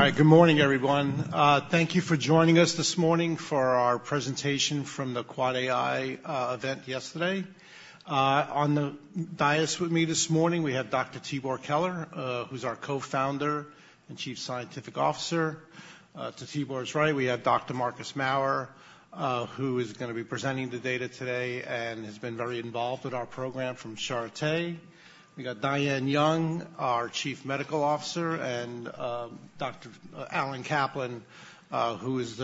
All right, good morning, everyone. Thank you for joining us this morning for our presentation from the AAAAI event yesterday. On the dais with me this morning, we have Dr. Tibor Keler, who's our Co-founder and Chief Scientific Officer. To Tibor's right, we have Dr. Marcus Maurer, who is going to be presenting the data today and has been very involved with our program, from Charité. We got Diane Young, our Chief Medical Officer, and Dr. Allen Kaplan, who has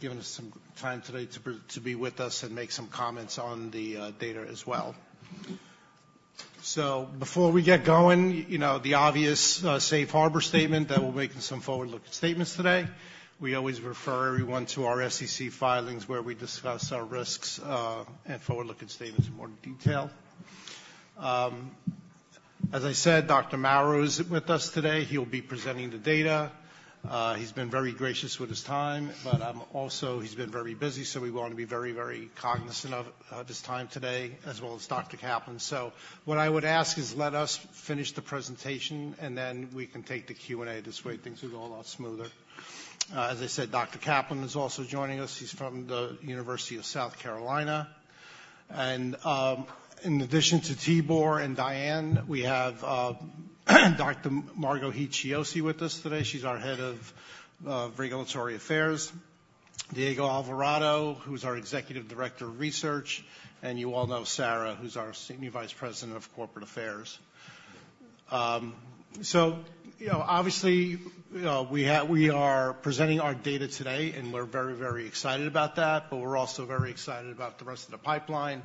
given us some time today to be with us and make some comments on the data as well. So before we get going, the obvious safe harbor statement that we'll make in some forward-looking statements today. We always refer everyone to our SEC filings where we discuss our risks and forward-looking statements in more detail. As I said, Dr. Maurer is with us today. He'll be presenting the data. He's been very gracious with his time, but also he's been very busy, so we want to be very, very cognizant of his time today, as well as Dr. Kaplan. So what I would ask is let us finish the presentation, and then we can take the Q&A. This way, things will go a lot smoother. As I said, Dr. Kaplan is also joining us. He's from the Medical University of South Carolina. In addition to Tibor and Diane, we have Dr. Margo Heath-Chiozzi with us today. She's our Head of Regulatory Affairs. Diego Alvarado, who's our Executive Director of Research. And you all know Sarah, who's our Senior Vice President of Corporate Affairs. So obviously, we are presenting our data today, and we're very, very excited about that. But we're also very excited about the rest of the pipeline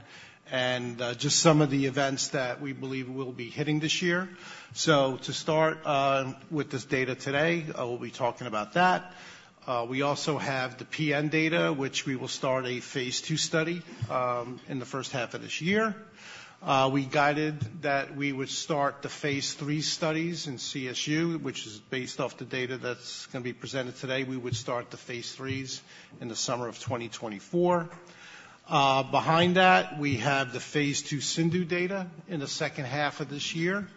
and just some of the events that we believe we'll be hitting this year. So to start with this data today, we'll be talking about that. We also have the PN data, which we will start a phase II study in the first half of this year. We guided that we would start the phase III studies in CSU, which is based off the data that's going to be presented today. We would start the phase IIIs in the summer of 2024. Behind that, we have the phase II CIndU data in the second half of this year,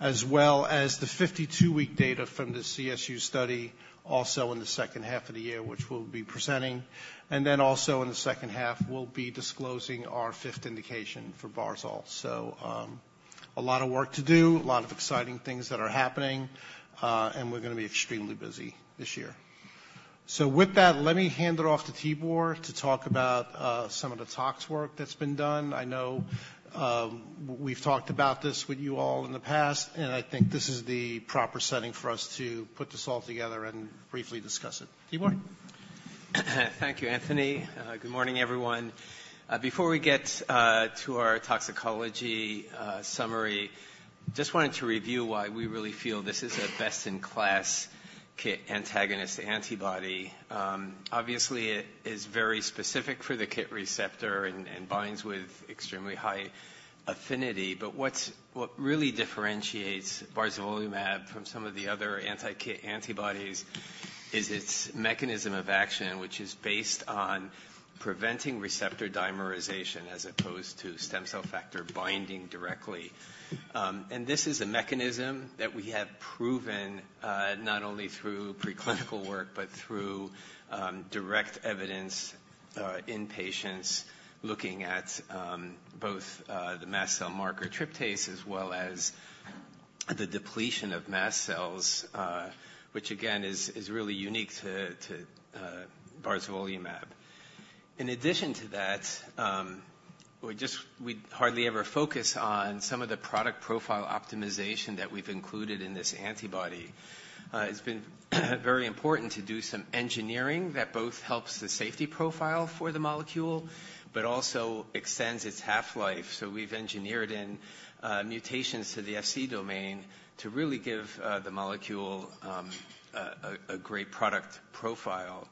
as well as the 52-week data from the CSU study also in the second half of the year, which we'll be presenting. And then also in the second half, we'll be disclosing our fifth indication for barzolvolimab. So a lot of work to do, a lot of exciting things that are happening, and we're going to be extremely busy this year. So with that, let me hand it off to Tibor to talk about some of the tox work that's been done. I know we've talked about this with you all in the past, and I think this is the proper setting for us to put this all together and briefly discuss it. Tibor? Thank you, Anthony. Good morning, everyone. Before we get to our toxicology summary, just wanted to review why we really feel this is a best-in-class KIT antagonist antibody. Obviously, it is very specific for the KIT receptor and binds with extremely high affinity. But what really differentiates barzolvolimab from some of the other anti-KIT antibodies is its mechanism of action, which is based on preventing receptor dimerization as opposed to stem cell factor binding directly. And this is a mechanism that we have proven not only through preclinical work but through direct evidence in patients looking at both the mast cell marker tryptase as well as the depletion of mast cells, which again is really unique to barzolvolimab. In addition to that, we hardly ever focus on some of the product profile optimization that we've included in this antibody. It's been very important to do some engineering that both helps the safety profile for the molecule but also extends its half-life. So we've engineered in mutations to the Fc domain to really give the molecule a great product profile.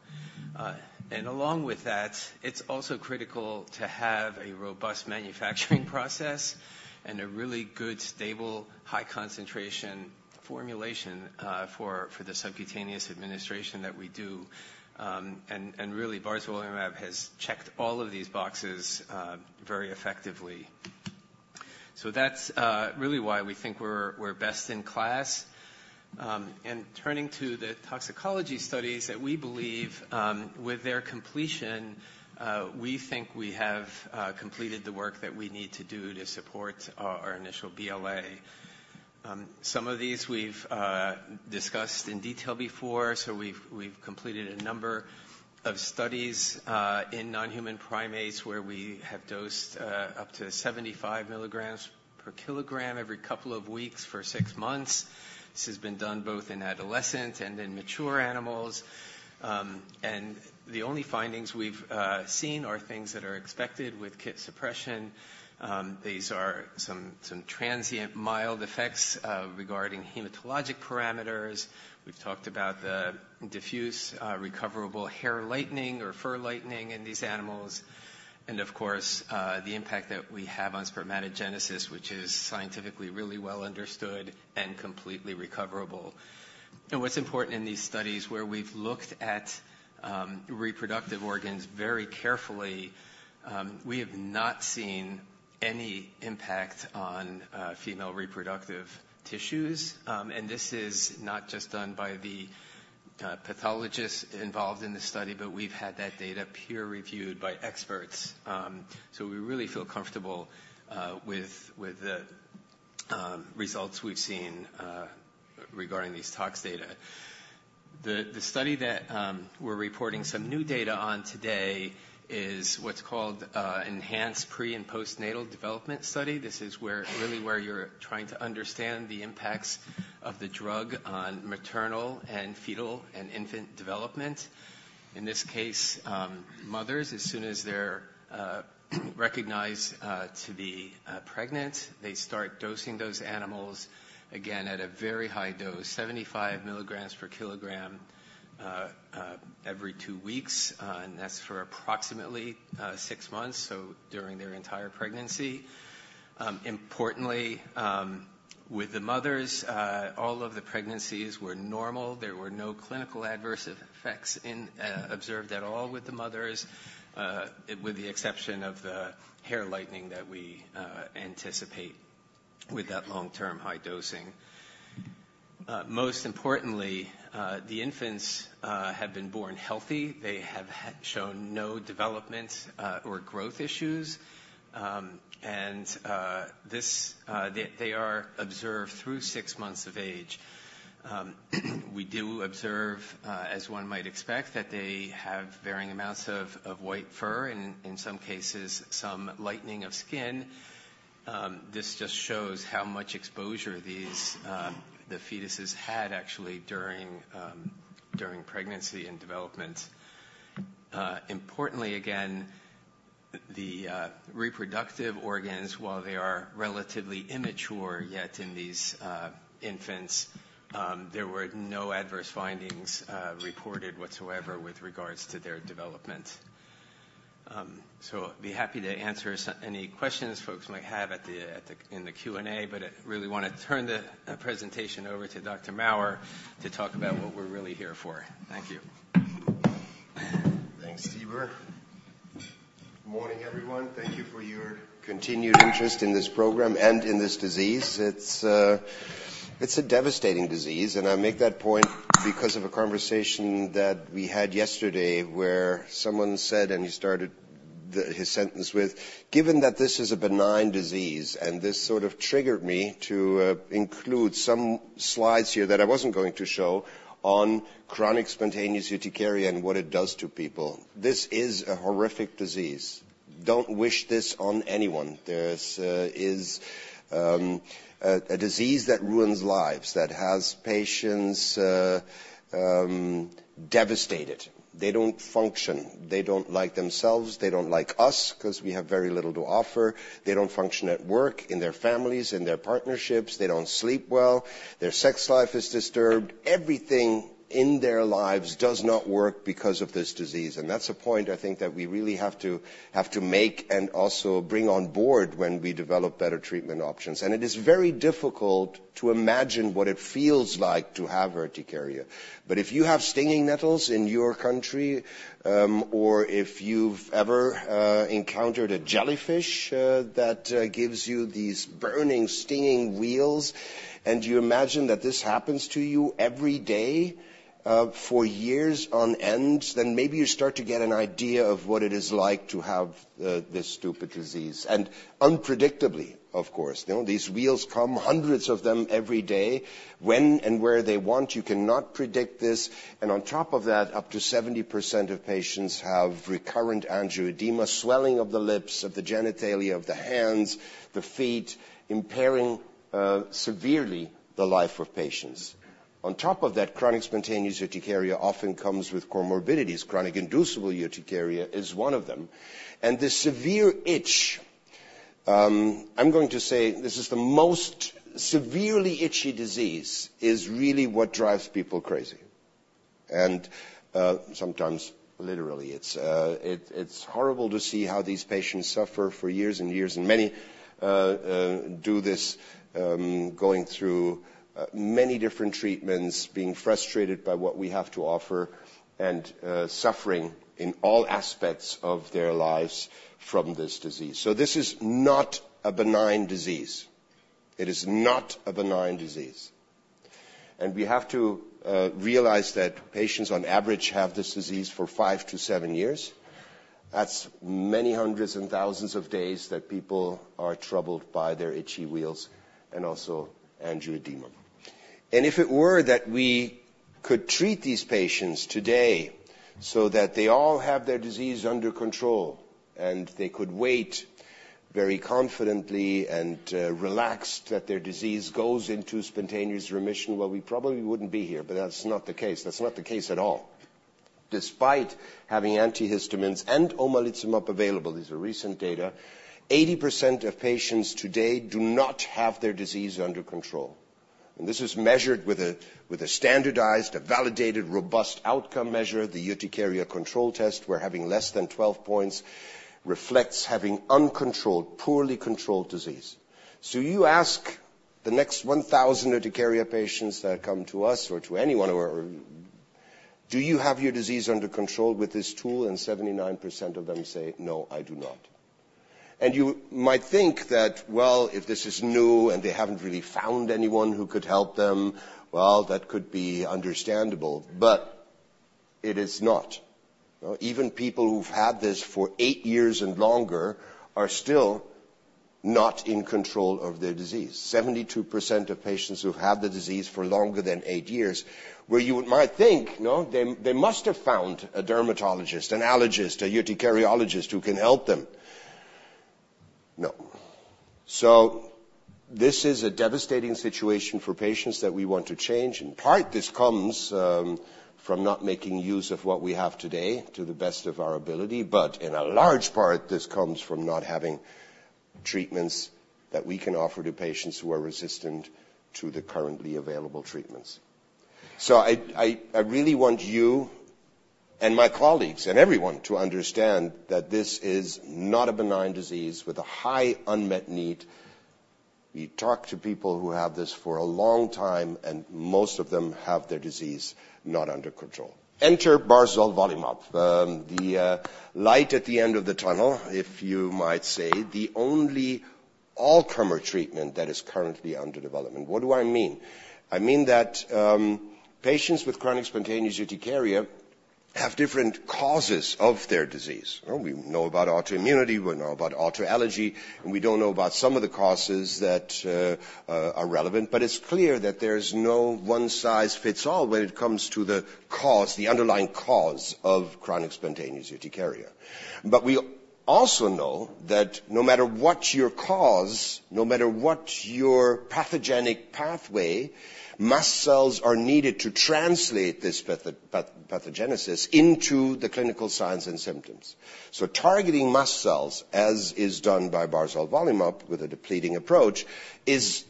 And along with that, it's also critical to have a robust manufacturing process and a really good, stable, high-concentration formulation for the subcutaneous administration that we do. And really, barzolvolimab has checked all of these boxes very effectively. So that's really why we think we're best in class. And turning to the toxicology studies that we believe, with their completion, we think we have completed the work that we need to do to support our initial BLA. Some of these we've discussed in detail before. So we've completed a number of studies in non-human primates where we have dosed up to 75 mg/kg every couple of weeks for six months. This has been done both in adolescents and in mature animals. The only findings we've seen are things that are expected with KIT suppression. These are some transient mild effects regarding hematologic parameters. We've talked about the diffuse recoverable hair lightening or fur lightening in these animals and, of course, the impact that we have on spermatogenesis, which is scientifically really well understood and completely recoverable. What's important in these studies, where we've looked at reproductive organs very carefully, we have not seen any impact on female reproductive tissues. This is not just done by the pathologists involved in the study, but we've had that data peer-reviewed by experts. So we really feel comfortable with the results we've seen regarding these talks data. The study that we're reporting some new data on today is what's called an enhanced pre and postnatal development study. This is really where you're trying to understand the impacts of the drug on maternal and fetal and infant development. In this case, mothers, as soon as they're recognized to be pregnant, they start dosing those animals, again, at a very high dose, 75 mg/kg every two weeks. And that's for approximately six months, so during their entire pregnancy. Importantly, with the mothers, all of the pregnancies were normal. There were no clinical adverse effects observed at all with the mothers, with the exception of the hair lightening that we anticipate with that long-term high dosing. Most importantly, the infants have been born healthy. They have shown no development or growth issues. They are observed through six months of age. We do observe, as one might expect, that they have varying amounts of white fur and, in some cases, some lightening of skin. This just shows how much exposure the fetuses had actually during pregnancy and development. Importantly, again, the reproductive organs, while they are relatively immature yet in these infants, there were no adverse findings reported whatsoever with regards to their development. I'd be happy to answer any questions folks might have in the Q&A, but I really want to turn the presentation over to Dr. Maurer to talk about what we're really here for. Thank you. Thanks, Tibor. Good morning, everyone. Thank you for your continued interest in this program and in this disease. It's a devastating disease. I make that point because of a conversation that we had yesterday where someone said, and he started his sentence with, "Given that this is a benign disease," and this sort of triggered me to include some slides here that I wasn't going to show on chronic spontaneous urticaria and what it does to people. This is a horrific disease. Don't wish this on anyone. There is a disease that ruins lives that has patients devastated. They don't function. They don't like themselves. They don't like us because we have very little to offer. They don't function at work, in their families, in their partnerships. They don't sleep well. Their sex life is disturbed. Everything in their lives does not work because of this disease." That's a point, I think, that we really have to make and also bring on board when we develop better treatment options. It is very difficult to imagine what it feels like to have urticaria. But if you have stinging nettles in your country or if you've ever encountered a jellyfish that gives you these burning, stinging wheels, and you imagine that this happens to you every day for years on end, then maybe you start to get an idea of what it is like to have this stupid disease. Unpredictably, of course. These wheels come, hundreds of them, every day when and where they want. You cannot predict this. On top of that, up to 70% of patients have recurrent angioedema, swelling of the lips, of the genitalia, of the hands, the feet, impairing severely the life of patients. On top of that, chronic spontaneous urticaria often comes with comorbidities. Chronic inducible urticaria is one of them. And this severe itch, I'm going to say, this is the most severely itchy disease, is really what drives people crazy. And sometimes, literally, it's horrible to see how these patients suffer for years and years. And many do this going through many different treatments, being frustrated by what we have to offer, and suffering in all aspects of their lives from this disease. So this is not a benign disease. It is not a benign disease. And we have to realize that patients, on average, have this disease for five to seven years. That's many hundreds and thousands of days that people are troubled by their itchy wheals and also angioedema. And if it were that we could treat these patients today so that they all have their disease under control and they could wait very confidently and relaxed that their disease goes into spontaneous remission, well, we probably wouldn't be here. But that's not the case. That's not the case at all. Despite having antihistamines and omalizumab available, these are recent data, 80% of patients today do not have their disease under control. And this is measured with a standardized, a validated, robust outcome measure, the Urticaria Control Test, where having less than 12 points reflects having uncontrolled, poorly controlled disease. So you ask the next 1,000 urticaria patients that come to us or to anyone of our, "Do you have your disease under control with this tool?" And 79% of them say, "No, I do not." And you might think that, "Well, if this is new and they haven't really found anyone who could help them, well, that could be understandable." But it is not. Even people who've had this for eight years and longer are still not in control of their disease. 72% of patients who've had the disease for longer than eight years, where you might think, "They must have found a dermatologist, an allergist, a urticariologist who can help them." No. So this is a devastating situation for patients that we want to change. In part, this comes from not making use of what we have today to the best of our ability. But in a large part, this comes from not having treatments that we can offer to patients who are resistant to the currently available treatments. So I really want you and my colleagues and everyone to understand that this is not a benign disease with a high unmet need. We talk to people who have this for a long time, and most of them have their disease not under control. Enter barzolvolimab, the light at the end of the tunnel, if you might say, the only all-comer treatment that is currently under development. What do I mean? I mean that patients with chronic spontaneous urticaria have different causes of their disease. We know about autoimmunity. We know about autoallergy. And we don't know about some of the causes that are relevant. But it's clear that there is no one-size-fits-all when it comes to the underlying cause of chronic spontaneous urticaria. But we also know that no matter what your cause, no matter what your pathogenic pathway, mast cells are needed to translate this pathogenesis into the clinical signs and symptoms. So targeting mast cells, as is done by barzolvolimab with a depleting approach, is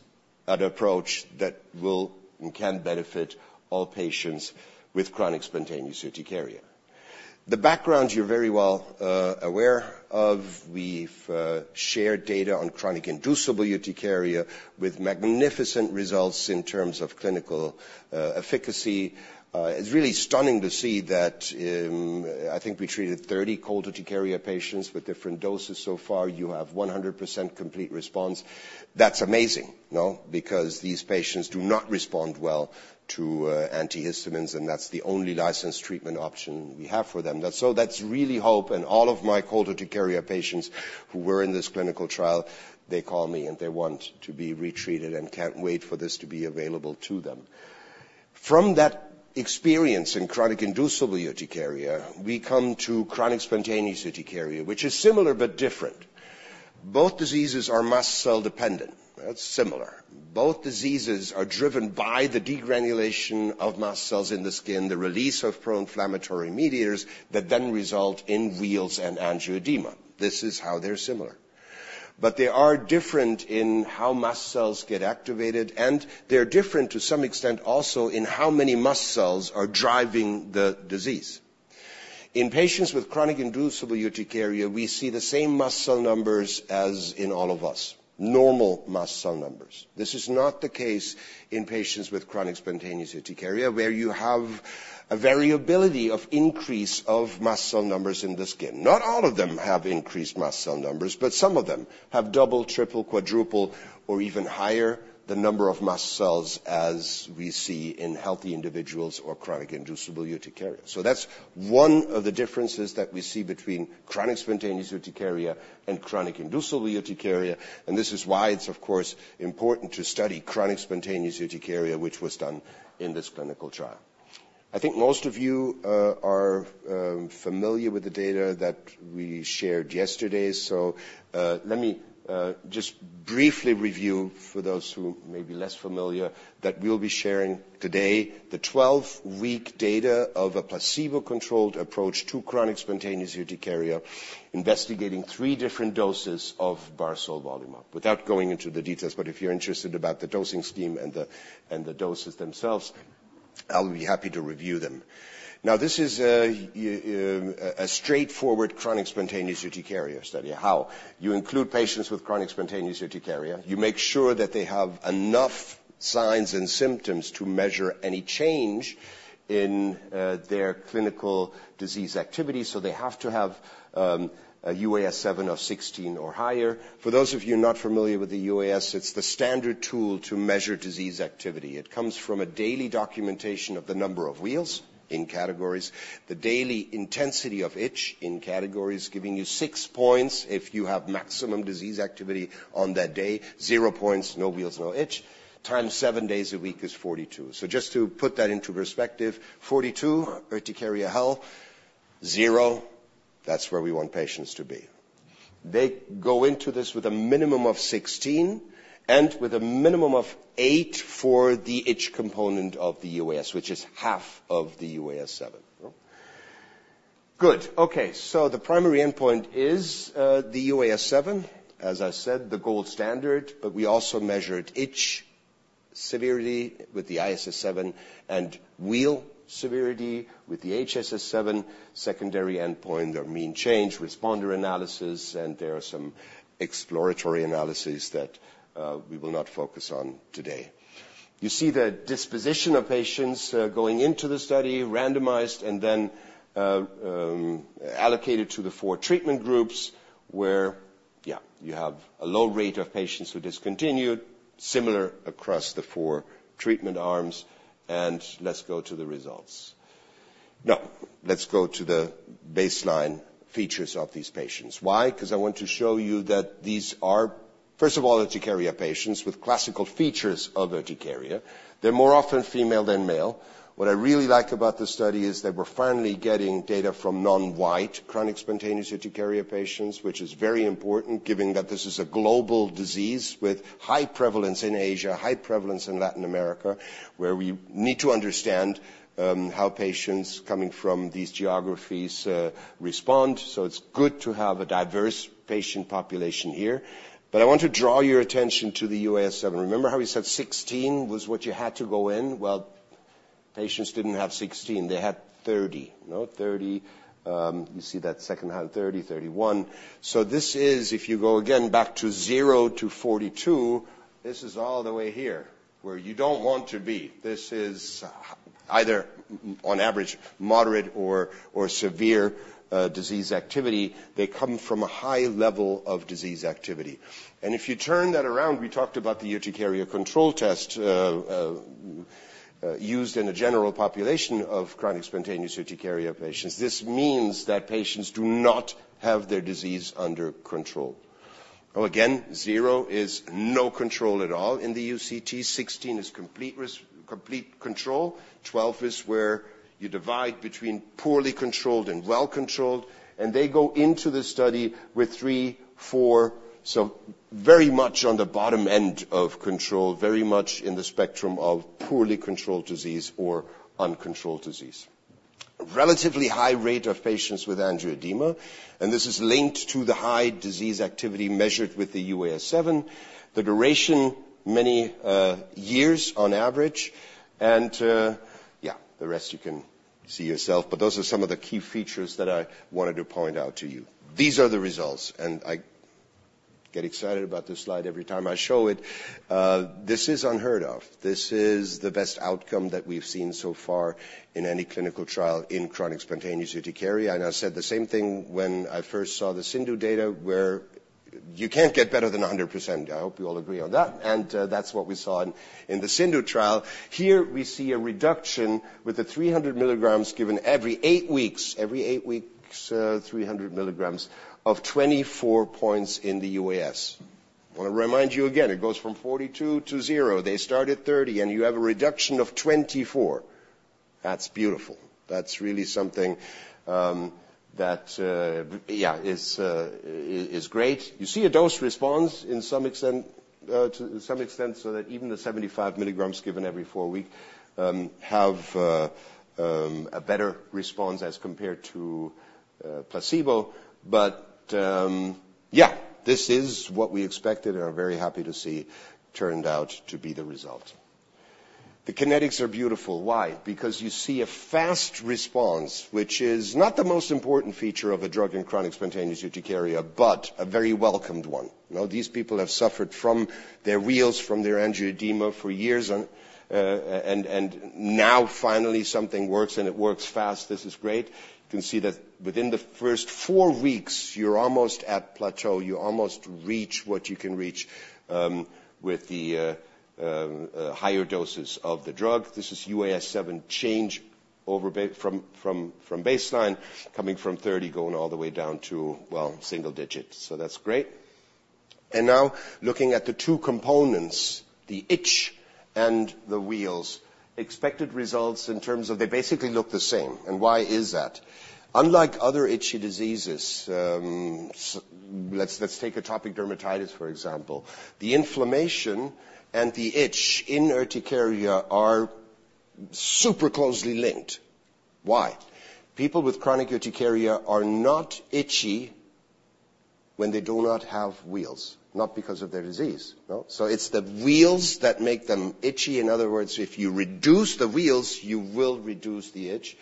an approach that will and can benefit all patients with chronic spontaneous urticaria. The background you're very well aware of. We've shared data on chronic inducible urticaria with magnificent results in terms of clinical efficacy. It's really stunning to see that I think we treated 30 cold urticaria patients with different doses so far. You have 100% complete response. That's amazing because these patients do not respond well to antihistamines, and that's the only licensed treatment option we have for them. So that's really hope. And all of my cold urticaria patients who were in this clinical trial, they call me, and they want to be retreated and can't wait for this to be available to them. From that experience in chronic inducible urticaria, we come to chronic spontaneous urticaria, which is similar but different. Both diseases are mast cell dependent. That's similar. Both diseases are driven by the degranulation of mast cells in the skin, the release of pro-inflammatory mediators that then result in wheals and angioedema. This is how they're similar. But they are different in how mast cells get activated. And they're different, to some extent, also in how many mast cells are driving the disease. In patients with chronic inducible urticaria, we see the same mast cell numbers as in all of us, normal mast cell numbers. This is not the case in patients with chronic spontaneous urticaria, where you have a variability of increase of mast cell numbers in the skin. Not all of them have increased mast cell numbers, but some of them have double, triple, quadruple, or even higher the number of mast cells as we see in healthy individuals or chronic inducible urticaria. That's one of the differences that we see between chronic spontaneous urticaria and chronic inducible urticaria. This is why it's, of course, important to study chronic spontaneous urticaria, which was done in this clinical trial. I think most of you are familiar with the data that we shared yesterday. So let me just briefly review, for those who may be less familiar, that we'll be sharing today the 12-week data of a placebo-controlled approach to chronic spontaneous urticaria, investigating three different doses of barzolvolimab without going into the details. But if you're interested about the dosing scheme and the doses themselves, I'll be happy to review them. Now, this is a straightforward chronic spontaneous urticaria study, how you include patients with chronic spontaneous urticaria. You make sure that they have enough signs and symptoms to measure any change in their clinical disease activity. So they have to have a UAS7 of 16 or higher. For those of you not familiar with the UAS7, it's the standard tool to measure disease activity. It comes from a daily documentation of the number of wheals in categories, the daily intensity of itch in categories, giving you 6 points if you have maximum disease activity on that day, 0 points, no wheals, no itch, times seven days a week is 42. So just to put that into perspective, 42, urticaria hell; zero, that's where we want patients to be. They go into this with a minimum of 16 and with a minimum of eight for the itch component of the UAS, which is half of the UAS7. Good. Okay. So the primary endpoint is the UAS7, as I said, the gold standard. But we also measured itch severity with the ISS7 and wheal severity with the HSS7. Secondary endpoint, their mean change, responder analysis. And there are some exploratory analyses that we will not focus on today. You see the disposition of patients going into the study, randomized and then allocated to the four treatment groups, where, yeah, you have a low rate of patients who discontinued, similar across the four treatment arms. Let's go to the results. No. Let's go to the baseline features of these patients. Why? Because I want to show you that these are, first of all, urticaria patients with classical features of urticaria. They're more often female than male. What I really like about the study is that we're finally getting data from non-white chronic spontaneous urticaria patients, which is very important, given that this is a global disease with high prevalence in Asia, high prevalence in Latin America, where we need to understand how patients coming from these geographies respond. It's good to have a diverse patient population here. But I want to draw your attention to the UAS7. Remember how we said 16 was what you had to go in? Well, patients didn't have 16. They had 30. You see that second half, 30, 31. So if you go again back to zero to 42, this is all the way here, where you don't want to be. This is either, on average, moderate or severe disease activity. They come from a high level of disease activity. And if you turn that around, we talked about the urticaria control test used in a general population of Chronic Spontaneous Urticaria patients. This means that patients do not have their disease under control. Again, zero is no control at all in the UCT. 16 is complete control. 12 is where you divide between poorly controlled and well-controlled. They go into the study with three, four, so very much on the bottom end of control, very much in the spectrum of poorly controlled disease or uncontrolled disease. Relatively high rate of patients with angioedema. This is linked to the high disease activity measured with the UAS7, the duration, many years on average. Yeah, the rest you can see yourself. But those are some of the key features that I wanted to point out to you. These are the results. I get excited about this slide every time I show it. This is unheard of. This is the best outcome that we've seen so far in any clinical trial in chronic spontaneous urticaria. I said the same thing when I first saw the CIndU data, where you can't get better than 100%. I hope you all agree on that. That's what we saw in the CIndU trial. Here, we see a reduction with the 300 mg given every eight weeks, every eight weeks, 300 mg of 24 points in the UAS. I want to remind you again, it goes from 42 to zero. They start at 30, and you have a reduction of 24. That's beautiful. That's really something that, yeah, is great. You see a dose response in some extent so that even the 75 mg given every four weeks have a better response as compared to placebo. But, yeah, this is what we expected and are very happy to see turned out to be the result. The kinetics are beautiful. Why? Because you see a fast response, which is not the most important feature of a drug in chronic spontaneous urticaria, but a very welcomed one. These people have suffered from their wheals, from their angioedema for years. And now, finally, something works, and it works fast. This is great. You can see that within the first four weeks, you're almost at plateau. You almost reach what you can reach with the higher doses of the drug. This is UAS7 change from baseline, coming from 30, going all the way down to, well, single digits. So that's great. And now, looking at the two components, the itch and the wheals, expected results in terms of they basically look the same. And why is that? Unlike other itchy diseases, let's take atopic dermatitis, for example. The inflammation and the itch in urticaria are super closely linked. Why? People with chronic urticaria are not itchy when they do not have wheals, not because of their disease. So it's the wheals that make them itchy. In other words, if you reduce the wheals, you will reduce the itch.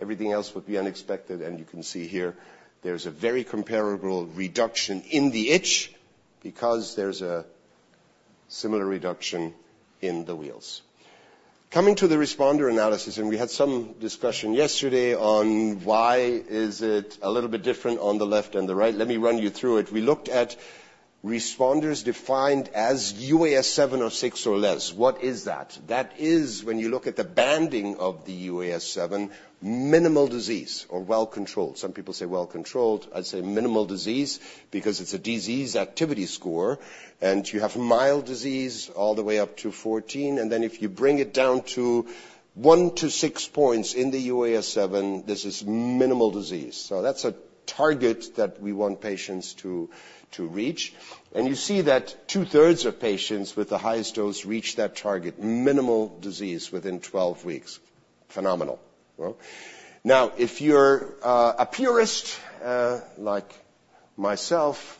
Everything else would be unexpected. And you can see here, there's a very comparable reduction in the itch because there's a similar reduction in the wheals. Coming to the responder analysis, and we had some discussion yesterday on why is it a little bit different on the left and the right. Let me run you through it. We looked at responders defined as UAS7 or six or less. What is that? That is, when you look at the banding of the UAS7, minimal disease or well-controlled. Some people say well-controlled. I'd say minimal disease because it's a disease activity score. And you have mild disease all the way up to 14. And then if you bring it down to 1-6 points in the UAS7, this is minimal disease. So that's a target that we want patients to reach. And you see that two-thirds of patients with the highest dose reach that target, minimal disease within 12 weeks. Phenomenal. Now, if you're a purist like myself,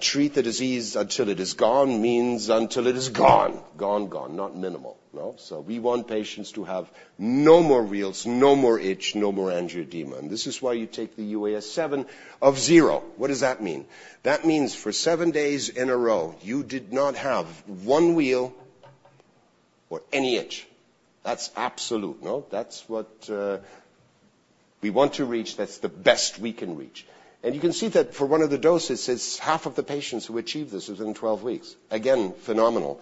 treat the disease until it is gone means until it is gone, gone, gone, not minimal. So we want patients to have no more wheals, no more itch, no more angioedema. And this is why you take the UAS7 of zero. What does that mean? That means, for seven days in a row, you did not have one wheal or any itch. That's absolute. That's what we want to reach. That's the best we can reach. And you can see that, for one of the doses, it says half of the patients who achieve this within 12 weeks. Again, phenomenal.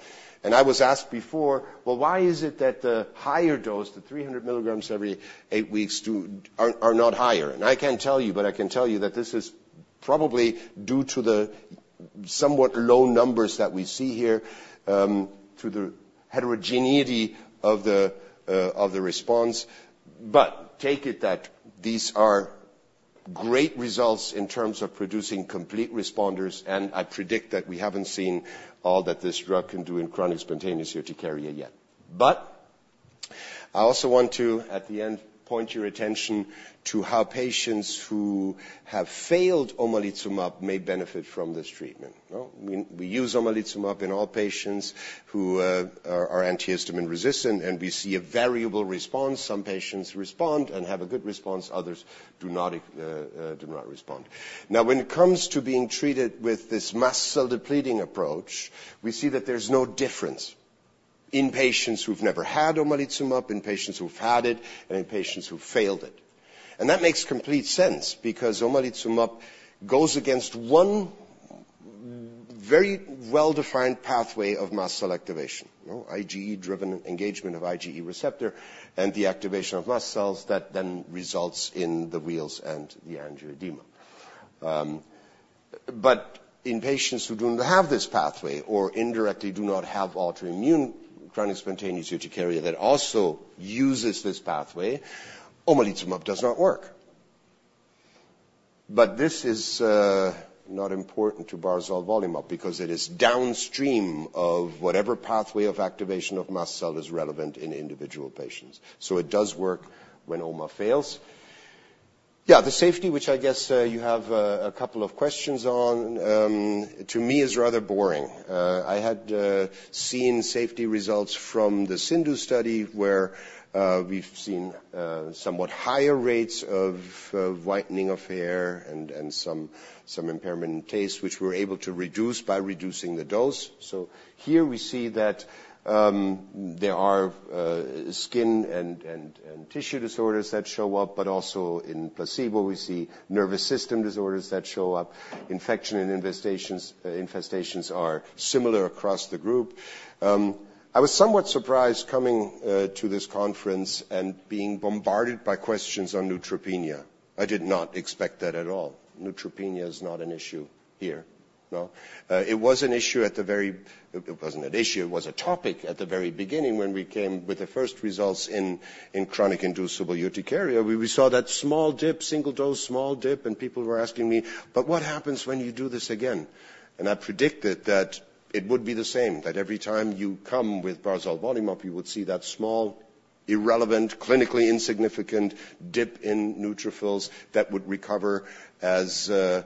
I was asked before, "Well, why is it that the higher dose, the 300 mg every eight weeks, are not higher?" I can't tell you, but I can tell you that this is probably due to the somewhat low numbers that we see here through the heterogeneity of the response. Take it that these are great results in terms of producing complete responders. I predict that we haven't seen all that this drug can do in chronic spontaneous urticaria yet. I also want to, at the end, point your attention to how patients who have failed omalizumab may benefit from this treatment. We use omalizumab in all patients who are antihistamine resistant. We see a variable response. Some patients respond and have a good response. Others do not respond. Now, when it comes to being treated with this mast cell depleting approach, we see that there's no difference in patients who've never had omalizumab, in patients who've had it, and in patients who've failed it. That makes complete sense because omalizumab goes against one very well-defined pathway of mast cell activation, IgE-driven engagement of IgE receptor and the activation of mast cells that then results in the wheals and the angioedema. But in patients who do not have this pathway or indirectly do not have autoimmune chronic spontaneous urticaria that also uses this pathway, omalizumab does not work. But this is not important to barzolvolimab because it is downstream of whatever pathway of activation of mast cell is relevant in individual patients. So it does work when OMA fails. Yeah, the safety, which I guess you have a couple of questions on, to me is rather boring. I had seen safety results from the CIndU study, where we've seen somewhat higher rates of whitening of hair and some impairment in taste, which we were able to reduce by reducing the dose. So here, we see that there are skin and tissue disorders that show up. But also, in placebo, we see nervous system disorders that show up. Infection and infestations are similar across the group. I was somewhat surprised coming to this conference and being bombarded by questions on neutropenia. I did not expect that at all. Neutropenia is not an issue here. It was an issue at the very it wasn't an issue. It was a topic at the very beginning when we came with the first results in chronic inducible urticaria. We saw that small dip, single dose, small dip. People were asking me, "But what happens when you do this again?" I predicted that it would be the same, that every time you come with barzolvolimab, you would see that small, irrelevant, clinically insignificant dip in neutrophils that would recover as the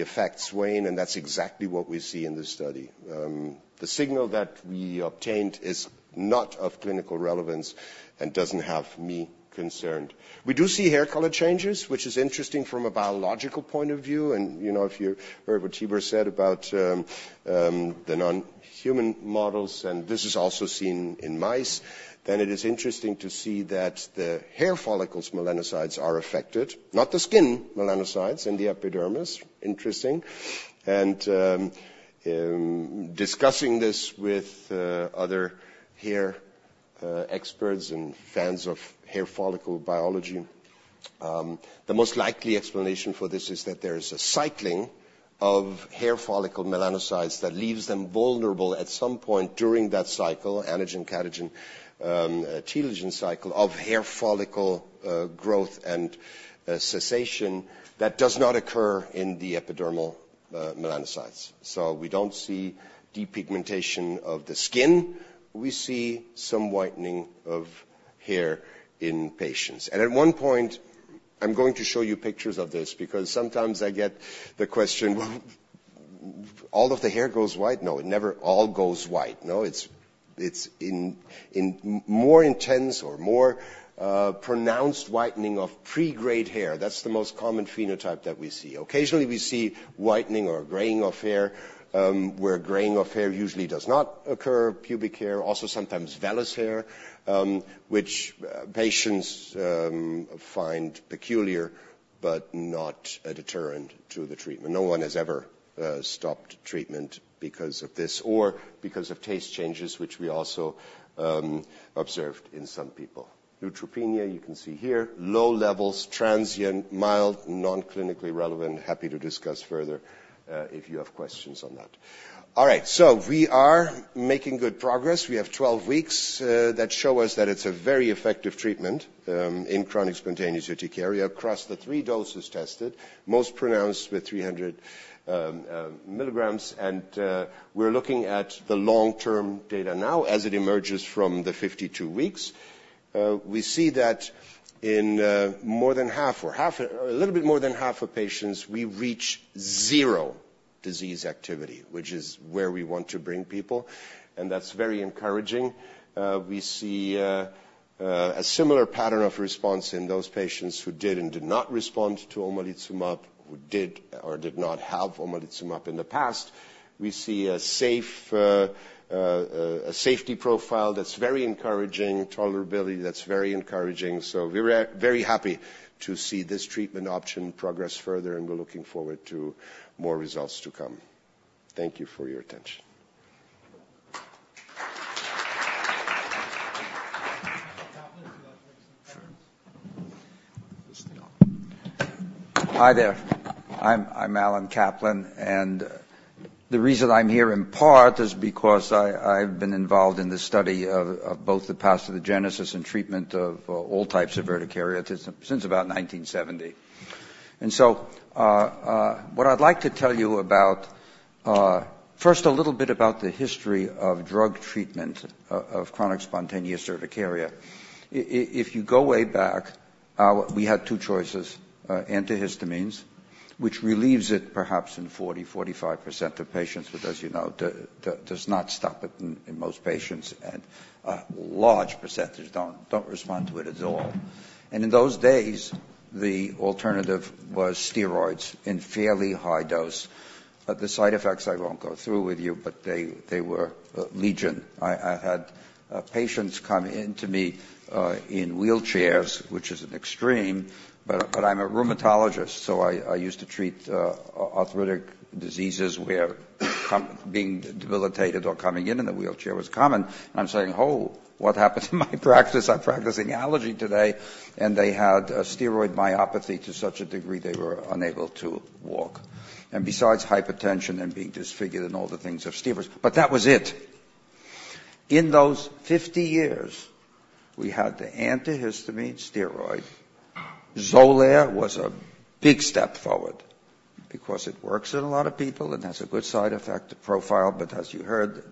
effects wane. That's exactly what we see in this study. The signal that we obtained is not of clinical relevance and doesn't have me concerned. We do see hair color changes, which is interesting from a biological point of view. If you heard what Tibor said about the non-human models, and this is also seen in mice, then it is interesting to see that the hair follicles, melanocytes, are affected, not the skin melanocytes and the epidermis. Interesting. Discussing this with other hair experts and fans of hair follicle biology, the most likely explanation for this is that there is a cycling of hair follicle melanocytes that leaves them vulnerable at some point during that cycle, anagen, catagen, telogen cycle of hair follicle growth and cessation that does not occur in the epidermal melanocytes. So we don't see depigmentation of the skin. We see some whitening of hair in patients. And at one point, I'm going to show you pictures of this because sometimes I get the question, "Well, all of the hair goes white?" No. It never all goes white. It's in more intense or more pronounced whitening of pre-gray hair. That's the most common phenotype that we see. Occasionally, we see whitening or graying of hair, where graying of hair usually does not occur, pubic hair, also sometimes vellus hair, which patients find peculiar but not a deterrent to the treatment. No one has ever stopped treatment because of this or because of taste changes, which we also observed in some people. Neutropenia, you can see here, low levels, transient, mild, non-clinically relevant. Happy to discuss further if you have questions on that. All right. We are making good progress. We have 12 weeks that show us that it's a very effective treatment in chronic spontaneous urticaria across the three doses tested, most pronounced with 300 mg. We're looking at the long-term data now as it emerges from the 52 weeks. We see that in more than half or a little bit more than half of patients, we reach zero disease activity, which is where we want to bring people. That's very encouraging. We see a similar pattern of response in those patients who did and did not respond to omalizumab, who did or did not have omalizumab in the past. We see a safety profile that's very encouraging, tolerability that's very encouraging. We're very happy to see this treatment option progress further. We're looking forward to more results to come. Thank you for your attention. Hi there. I'm Allen Kaplan. The reason I'm here in part is because I've been involved in the study of both the pathogenesis and treatment of all types of urticaria since about 1970. What I'd like to tell you about first is a little bit about the history of drug treatment of chronic spontaneous urticaria. If you go way back, we had two choices, antihistamines, which relieves it perhaps in 40%-45% of patients, but as you know, does not stop it in most patients. And large percentages don't respond to it at all. And in those days, the alternative was steroids in fairly high dose. The side effects, I won't go through with you, but they were legion. I had patients come into me in wheelchairs, which is an extreme. But I'm a rheumatologist. So I used to treat arthritic diseases where being debilitated or coming in in a wheelchair was common. And I'm saying, "Oh, what happened in my practice? I'm practicing allergy today." They had a steroid myopathy to such a degree they were unable to walk, and besides hypertension and being disfigured and all the things of steroids. But that was it. In those 50 years, we had the antihistamine, steroid. Xolair was a big step forward because it works in a lot of people and has a good side effect profile. But as you heard,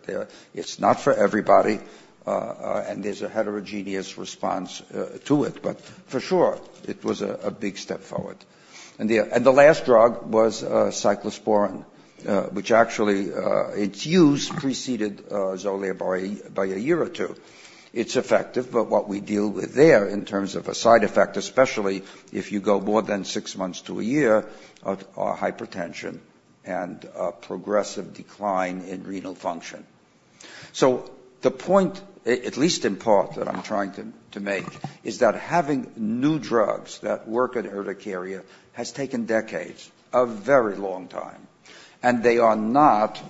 it's not for everybody. There's a heterogeneous response to it. But for sure, it was a big step forward. The last drug was cyclosporine, which actually its use preceded Xolair by a year or two. It's effective. But what we deal with there in terms of a side effect, especially if you go more than six months to a year, are hypertension and progressive decline in renal function. So the point, at least in part, that I'm trying to make is that having new drugs that work at urticaria has taken decades, a very long time. And they are not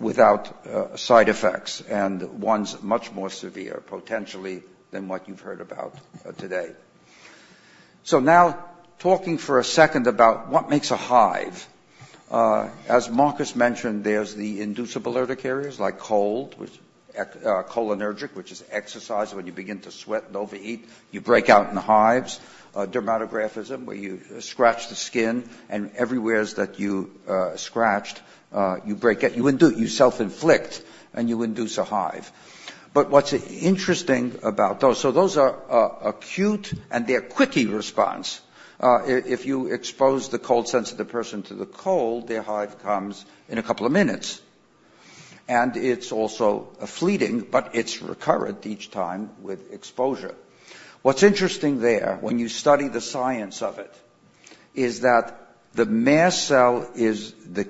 without side effects and ones much more severe, potentially, than what you've heard about today. So now, talking for a second about what makes a hive. As Marcus mentioned, there's the inducible urticarias like cold, cholinergic, which is exercise. When you begin to sweat and overheat, you break out in hives, dermatographism, where you scratch the skin. And everywhere that you scratch, you break out. You self-inflict. And you induce a hive. But what's interesting about those, those are acute, and they're a quick response. If you expose the cold sensitive person to the cold, their hive comes in a couple of minutes. And it's also fleeting. But it's recurrent each time with exposure. What's interesting there, when you study the science of it, is that the mast cell is the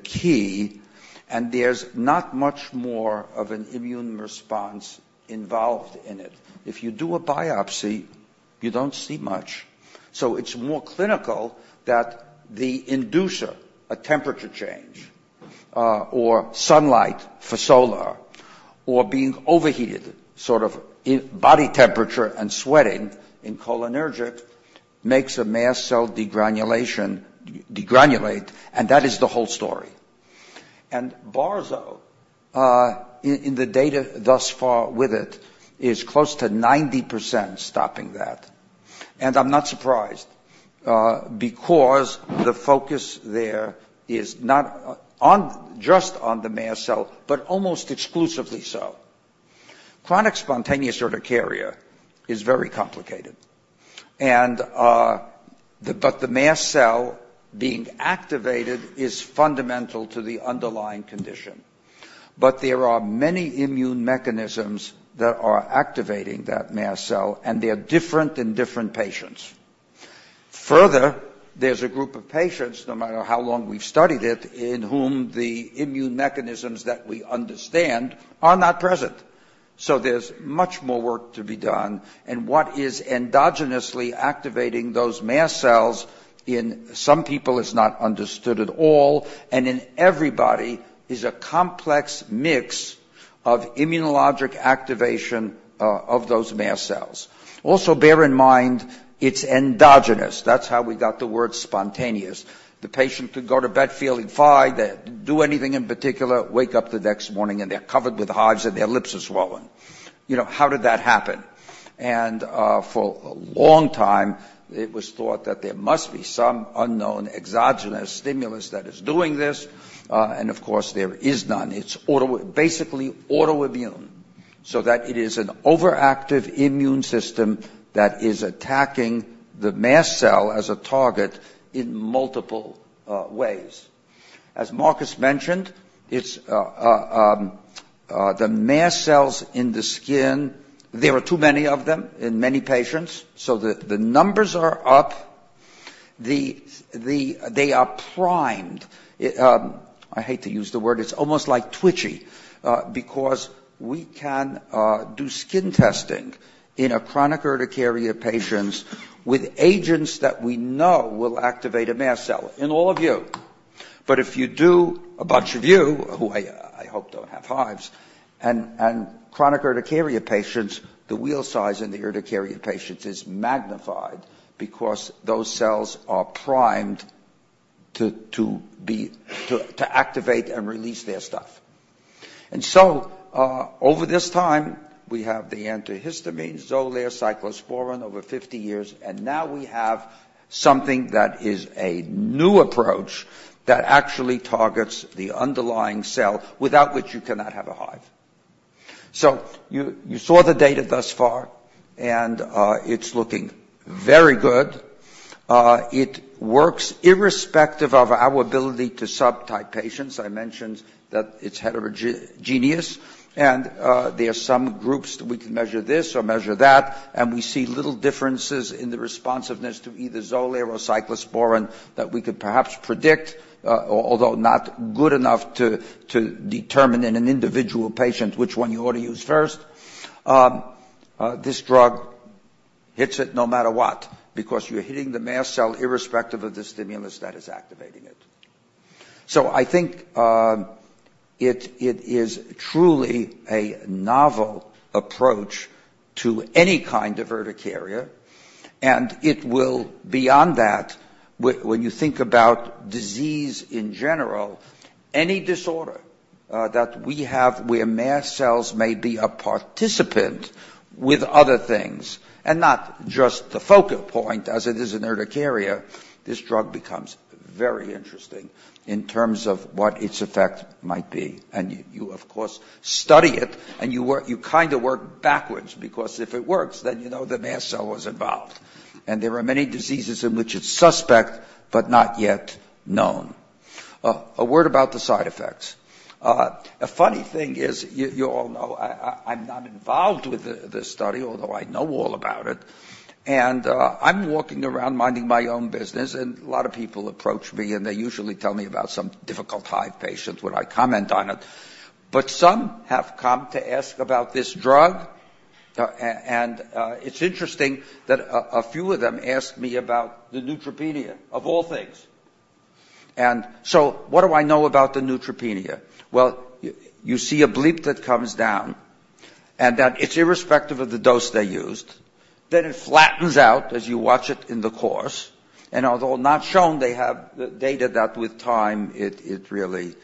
key. And there's not much more of an immune response involved in it. If you do a biopsy, you don't see much. So it's more clinical that the inducer, a temperature change or sunlight for Xolair or being overheated, sort of body temperature and sweating in cholinergic, makes a mast cell degranulate. And that is the whole story. And barzo, in the data thus far with it, is close to 90% stopping that. And I'm not surprised because the focus there is not just on the mast cell but almost exclusively so. Chronic spontaneous urticaria is very complicated. But the mast cell being activated is fundamental to the underlying condition. But there are many immune mechanisms that are activating that mast cell. And they're different in different patients. Further, there's a group of patients, no matter how long we've studied it, in whom the immune mechanisms that we understand are not present. So there's much more work to be done. And what is endogenously activating those mast cells in some people is not understood at all. And in everybody is a complex mix of immunologic activation of those mast cells. Also, bear in mind, it's endogenous. That's how we got the word spontaneous. The patient could go to bed feeling fine. They do anything in particular, wake up the next morning, and they're covered with hives and their lips are swollen. How did that happen? And for a long time, it was thought that there must be some unknown exogenous stimulus that is doing this. And of course, there is none. It's basically autoimmune, so that it is an overactive immune system that is attacking the mast cell as a target in multiple ways. As Marcus mentioned, it's the mast cells in the skin. There are too many of them in many patients. So the numbers are up. They are primed. I hate to use the word. It's almost like twitchy because we can do skin testing in chronic urticaria patients with agents that we know will activate a mast cell in all of you. But if you do, a bunch of you, who I hope don't have hives, and chronic urticaria patients, the wheal size in the urticaria patients is magnified because those cells are primed to activate and release their stuff. And so over this time, we have the antihistamines, Xolair, cyclosporine over 50 years. And now we have something that is a new approach that actually targets the underlying cell without which you cannot have a hive. So you saw the data thus far. And it's looking very good. It works irrespective of our ability to subtype patients. I mentioned that it's heterogeneous. And there are some groups that we can measure this or measure that. And we see little differences in the responsiveness to either Xolair or cyclosporine that we could perhaps predict, although not good enough to determine in an individual patient which one you ought to use first. This drug hits it no matter what because you're hitting the mast cell irrespective of the stimulus that is activating it. So I think it is truly a novel approach to any kind of urticaria. And it will, beyond that, when you think about disease in general, any disorder that we have where mast cells may be a participant with other things and not just the focal point as it is in urticaria, this drug becomes very interesting in terms of what its effect might be. And you, of course, study it. And you kind of work backwards because if it works, then you know the mast cell was involved. And there are many diseases in which it's suspect but not yet known. A word about the side effects. A funny thing is, you all know, I'm not involved with this study, although I know all about it. And I'm walking around minding my own business. And a lot of people approach me. And they usually tell me about some difficult hives patients when I comment on it. But some have come to ask about this drug. It's interesting that a few of them asked me about the neutropenia of all things. So what do I know about the neutropenia? Well, you see a blip that comes down and that it's irrespective of the dose they used. Then it flattens out as you watch it in the course. Although not shown, they have data that with time it really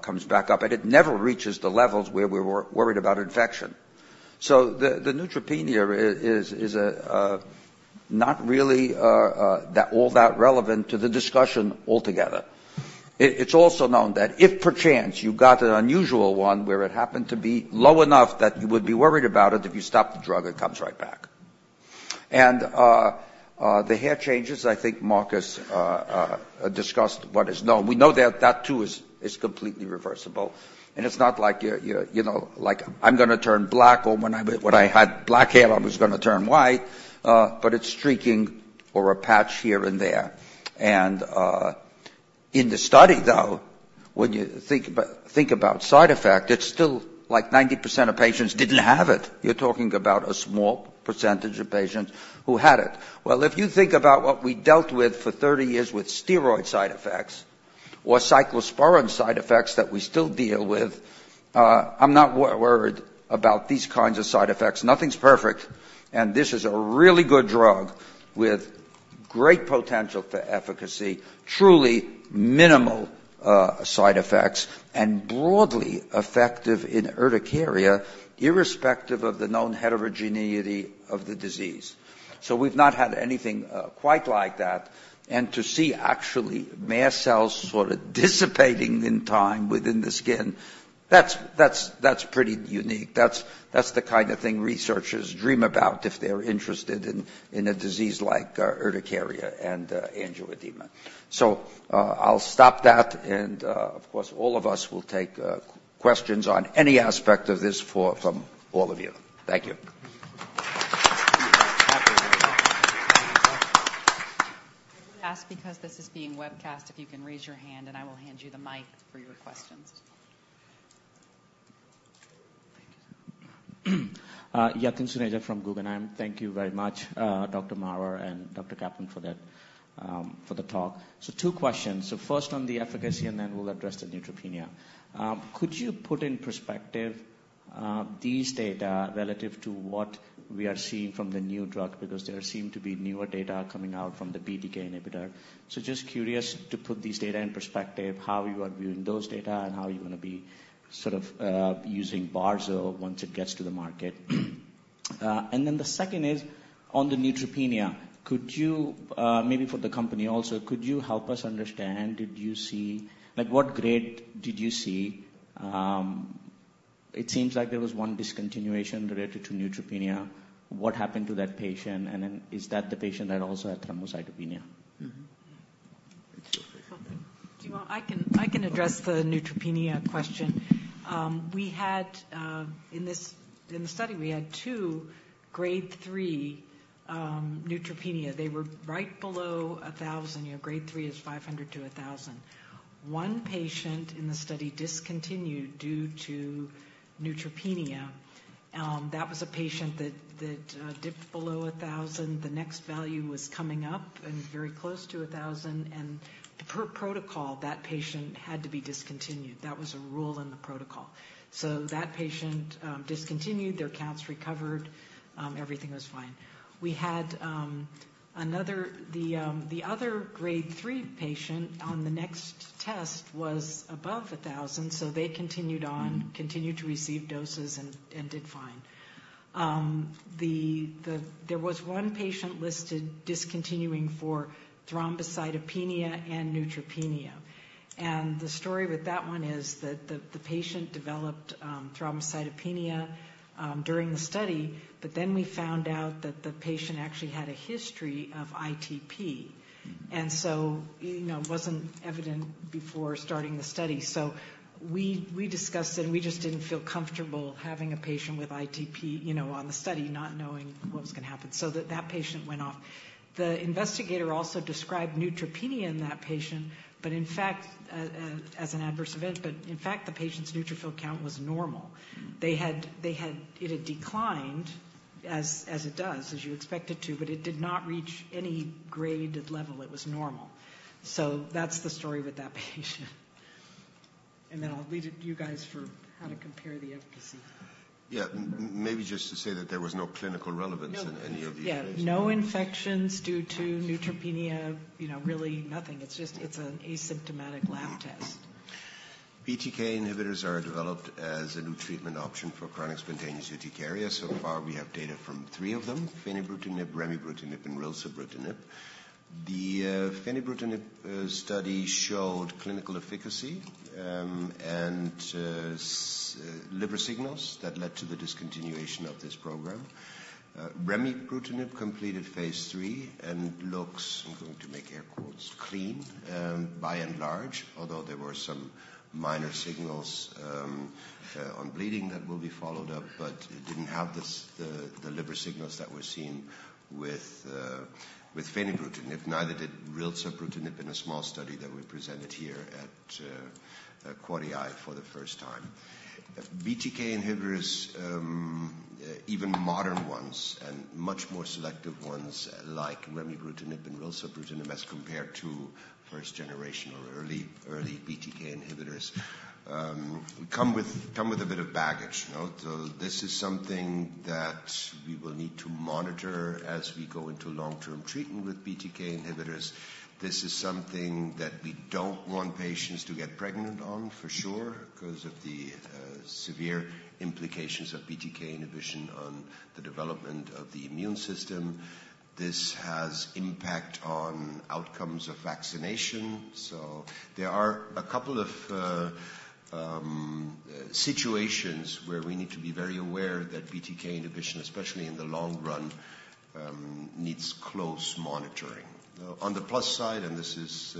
comes back up. It never reaches the levels where we're worried about infection. So the neutropenia is not really all that relevant to the discussion altogether. It's also known that if, perchance, you got an unusual one where it happened to be low enough that you would be worried about it, if you stopped the drug, it comes right back. The hair changes, I think Marcus discussed what is known. We know that that, too, is completely reversible. And it's not like, you know, like I'm going to turn black or when I had black hair, I was going to turn white. But it's streaking or a patch here and there. And in the study, though, when you think about side effect, it's still like 90% of patients didn't have it. You're talking about a small percentage of patients who had it. Well, if you think about what we dealt with for 30 years with steroid side effects or cyclosporine side effects that we still deal with, I'm not worried about these kinds of side effects. Nothing's perfect. And this is a really good drug with great potential for efficacy, truly minimal side effects, and broadly effective in urticaria irrespective of the known heterogeneity of the disease. So we've not had anything quite like that. To see actually mast cells sort of dissipating in time within the skin, that's pretty unique. That's the kind of thing researchers dream about if they're interested in a disease like urticaria and angioedema. So I'll stop that. Of course, all of us will take questions on any aspect of this from all of you. Thank you. I would ask, because this is being webcast, if you can raise your hand. I will hand you the mic for your questions. Yatin Suneja from Guggenheim. Thank you very much, Dr. Maurer and Dr. Kaplan, for the talk. So two questions. First on the efficacy. Then we'll address the neutropenia. Could you put in perspective these data relative to what we are seeing from the new drug? Because there seem to be newer data coming out from the BTK inhibitor. Just curious to put these data in perspective, how you are viewing those data, and how you're going to be sort of using barzolvolimab once it gets to the market. And then the second is on the neutropenia. Could you, maybe for the company also, could you help us understand, did you see like what grade did you see? It seems like there was one discontinuation related to neutropenia. What happened to that patient? And then is that the patient that also had thrombocytopenia? Do you want? I can address the neutropenia question. We had, in this study, we had two Grade 3 neutropenia. They were right below 1,000. Grade 3 is 500-1,000. One patient in the study discontinued due to neutropenia. That was a patient that dipped below 1,000. The next value was coming up and very close to 1,000. Per protocol, that patient had to be discontinued. That was a rule in the protocol. So that patient discontinued. Their counts recovered. Everything was fine. We had another Grade 3 patient on the next test was above 1,000. So they continued on, continued to receive doses, and did fine. There was one patient listed discontinuing for thrombocytopenia and neutropenia. The story with that one is that the patient developed thrombocytopenia during the study. But then we found out that the patient actually had a history of ITP. And so, you know, it wasn't evident before starting the study. So we discussed it. And we just didn't feel comfortable having a patient with ITP, you know, on the study, not knowing what was going to happen. So that patient went off. The investigator also described neutropenia in that patient. But, in fact, as an adverse event, the patient's neutrophil count was normal. It had declined as it does, as you expect it to. But it did not reach any graded level. It was normal. So that's the story with that patient. And then I'll leave it to you guys for how to compare the efficacy. Yeah. Maybe just to say that there was no clinical relevance in any of these cases. Yeah. No infections due to neutropenia, you know, really nothing. It's just an asymptomatic lab test. BTK inhibitors are developed as a new treatment option for chronic spontaneous urticaria. So far, we have data from three of them: fenebrutinib, remibrutinib, and rilsabrutinib. The fenebrutinib study showed clinical efficacy and liver signals that led to the discontinuation of this program. Remibrutinib completed phase III and looks—"I'm going to make air quotes—""clean" by and large, although there were some minor signals on bleeding that will be followed up. But it didn't have the liver signals that were seen with fenebrutinib, neither did rilsabrutinib in a small study that we presented here at AAAAI for the first time. BTK inhibitors, even modern ones and much more selective ones like remibrutinib and rilsabrutinib, as compared to 1st-gen or early BTK inhibitors, come with a bit of baggage, no? So this is something that we will need to monitor as we go into long-term treatment with BTK inhibitors. This is something that we don't want patients to get pregnant on, for sure, because of the severe implications of BTK inhibition on the development of the immune system. This has impact on outcomes of vaccination. So there are a couple of situations where we need to be very aware that BTK inhibition, especially in the long run, needs close monitoring. On the plus side - and this is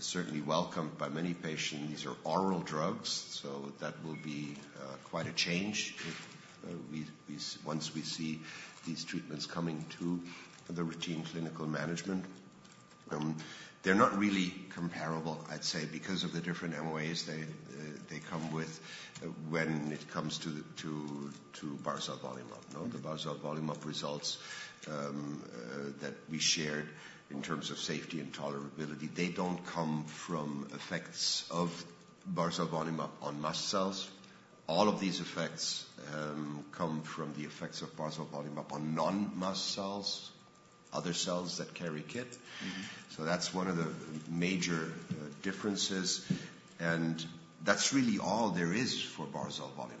certainly welcomed by many patients - these are oral drugs. So that will be quite a change once we see these treatments coming to the routine clinical management. They're not really comparable, I'd say, because of the different MOAs they come with when it comes to barzolvolimab, no? The barzolvolimab results that we shared in terms of safety and tolerability, they don't come from effects of barzolvolimab on mast cells. All of these effects come from the effects of barzolvolimab on non-mast cells, other cells that carry KIT. So that's one of the major differences. And that's really all there is for barzolvolimab,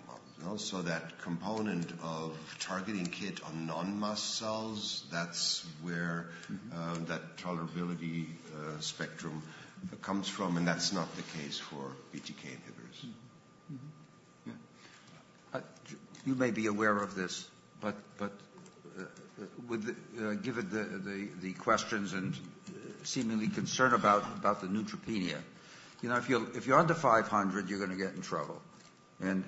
no? So that component of targeting KIT on non-mast cells, that's where that tolerability spectrum comes from. And that's not the case for BTK inhibitors. Yeah. You may be aware of this. But given the questions and seemingly concern about the neutropenia, you know, if you're under 500, you're going to get in trouble. And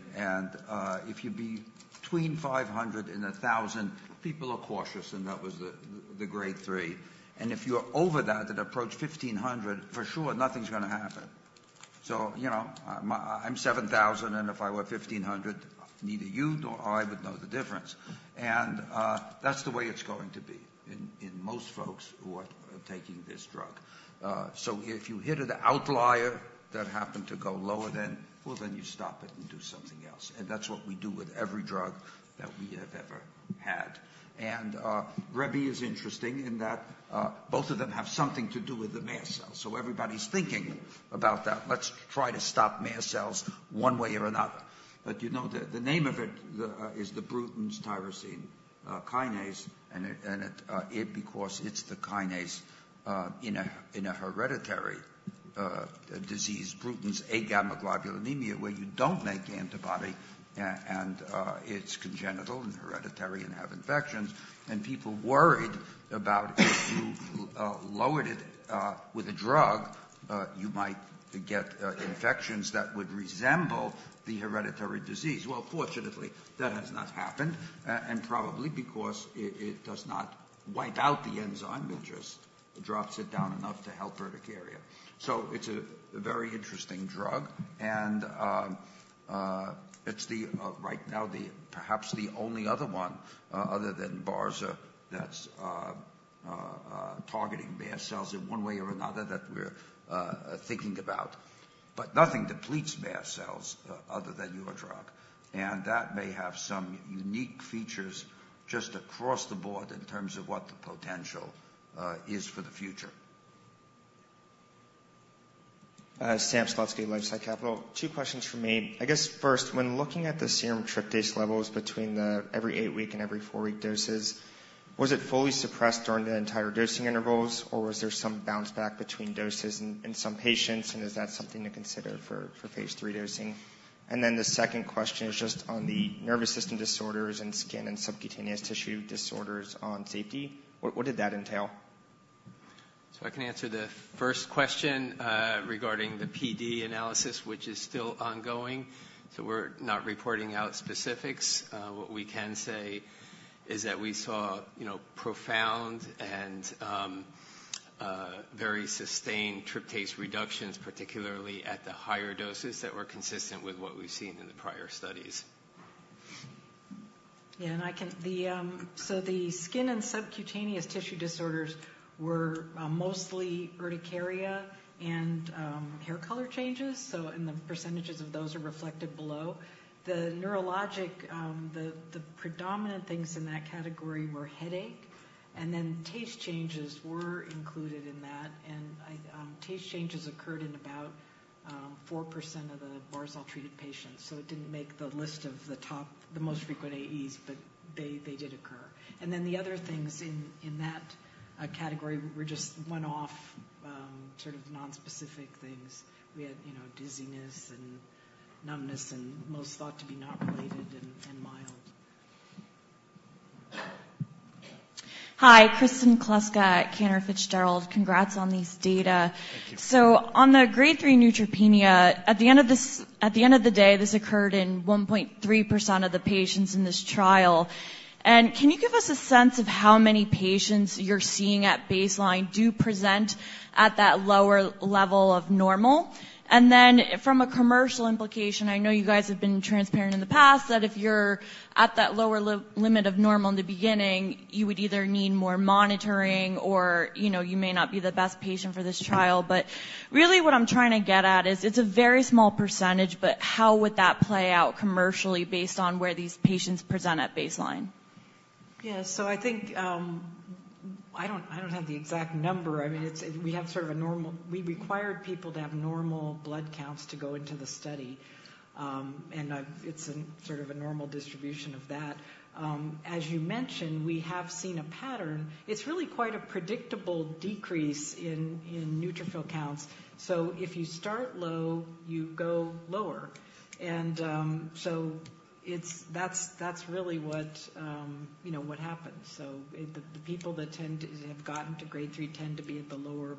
if you'd be between 500 and 1,000, people are cautious. And that was the grade three. And if you're over that and approach 1,500, for sure, nothing's going to happen. So, you know, I'm 7,000. And if I were 1,500, neither you nor I would know the difference. And that's the way it's going to be in most folks who are taking this drug. So if you hit an outlier that happened to go lower than, well, then you stop it and do something else. That's what we do with every drug that we have ever had. Remibrutinib is interesting in that both of them have something to do with the mast cells. Everybody's thinking about that. Let's try to stop mast cells one way or another. But, you know, the name of it is the Bruton's tyrosine kinase. And it's because it's the kinase in a hereditary disease, Bruton's agammaglobulinemia, where you don't make antibody. And it's congenital and hereditary and have infections. And people worried about if you lowered it with a drug, you might get infections that would resemble the hereditary disease. Well, fortunately, that has not happened. And probably because it does not wipe out the enzyme. It just drops it down enough to help urticaria. So it's a very interesting drug. And it's the, right now, perhaps the only other one other than barzolvolimab that's targeting mast cells in one way or another that we're thinking about. But nothing depletes mast cells other than your drug. And that may have some unique features just across the board in terms of what the potential is for the future. Sam Slutsky, LifeSci Capital. Two questions for me. I guess first, when looking at the serum tryptase levels between the every eight-week and every four-week doses, was it fully suppressed during the entire dosing intervals? Or was there some bounce back between doses in some patients? And is that something to consider for phase III dosing? And then the second question is just on the nervous system disorders and skin and subcutaneous tissue disorders on safety. What did that entail? So I can answer the first question regarding the PD analysis, which is still ongoing. So we're not reporting out specifics. What we can say is that we saw, you know, profound and very sustained tryptase reductions, particularly at the higher doses, that were consistent with what we've seen in the prior studies. Yeah. And I can, so the skin and subcutaneous tissue disorders were mostly urticaria and hair color changes. So and the percentages of those are reflected below. The neurologic, the predominant things in that category were headache. And then taste changes were included in that. And taste changes occurred in about 4% of the barzolvolimab treated patients. So it didn't make the list of the top, the most frequent AEs. But they did occur. And then the other things in that category were just one-off sort of nonspecific things. We had, you know, dizziness and numbness and most thought to be not related and mild. Hi. Kristen Kluska at Cantor Fitzgerald. Congrats on these data. Thank you. So on the Grade three neutropenia, at the end of this at the end of the day, this occurred in 1.3% of the patients in this trial. And can you give us a sense of how many patients you're seeing at baseline do present at that lower level of normal? And then from a commercial implication, I know you guys have been transparent in the past that if you're at that lower limit of normal in the beginning, you would either need more monitoring or, you know, you may not be the best patient for this trial. But really, what I'm trying to get at is it's a very small percentage. But how would that play out commercially based on where these patients present at baseline? Yeah. So I think I don't have the exact number. I mean, it's we have sort of a normal we required people to have normal blood counts to go into the study. And it's sort of a normal distribution of that. As you mentioned, we have seen a pattern. It's really quite a predictable decrease in neutrophil counts. So if you start low, you go lower. And so it's that's really what, you know, what happens. So the people that tend to have gotten to Grade three tend to be at the lower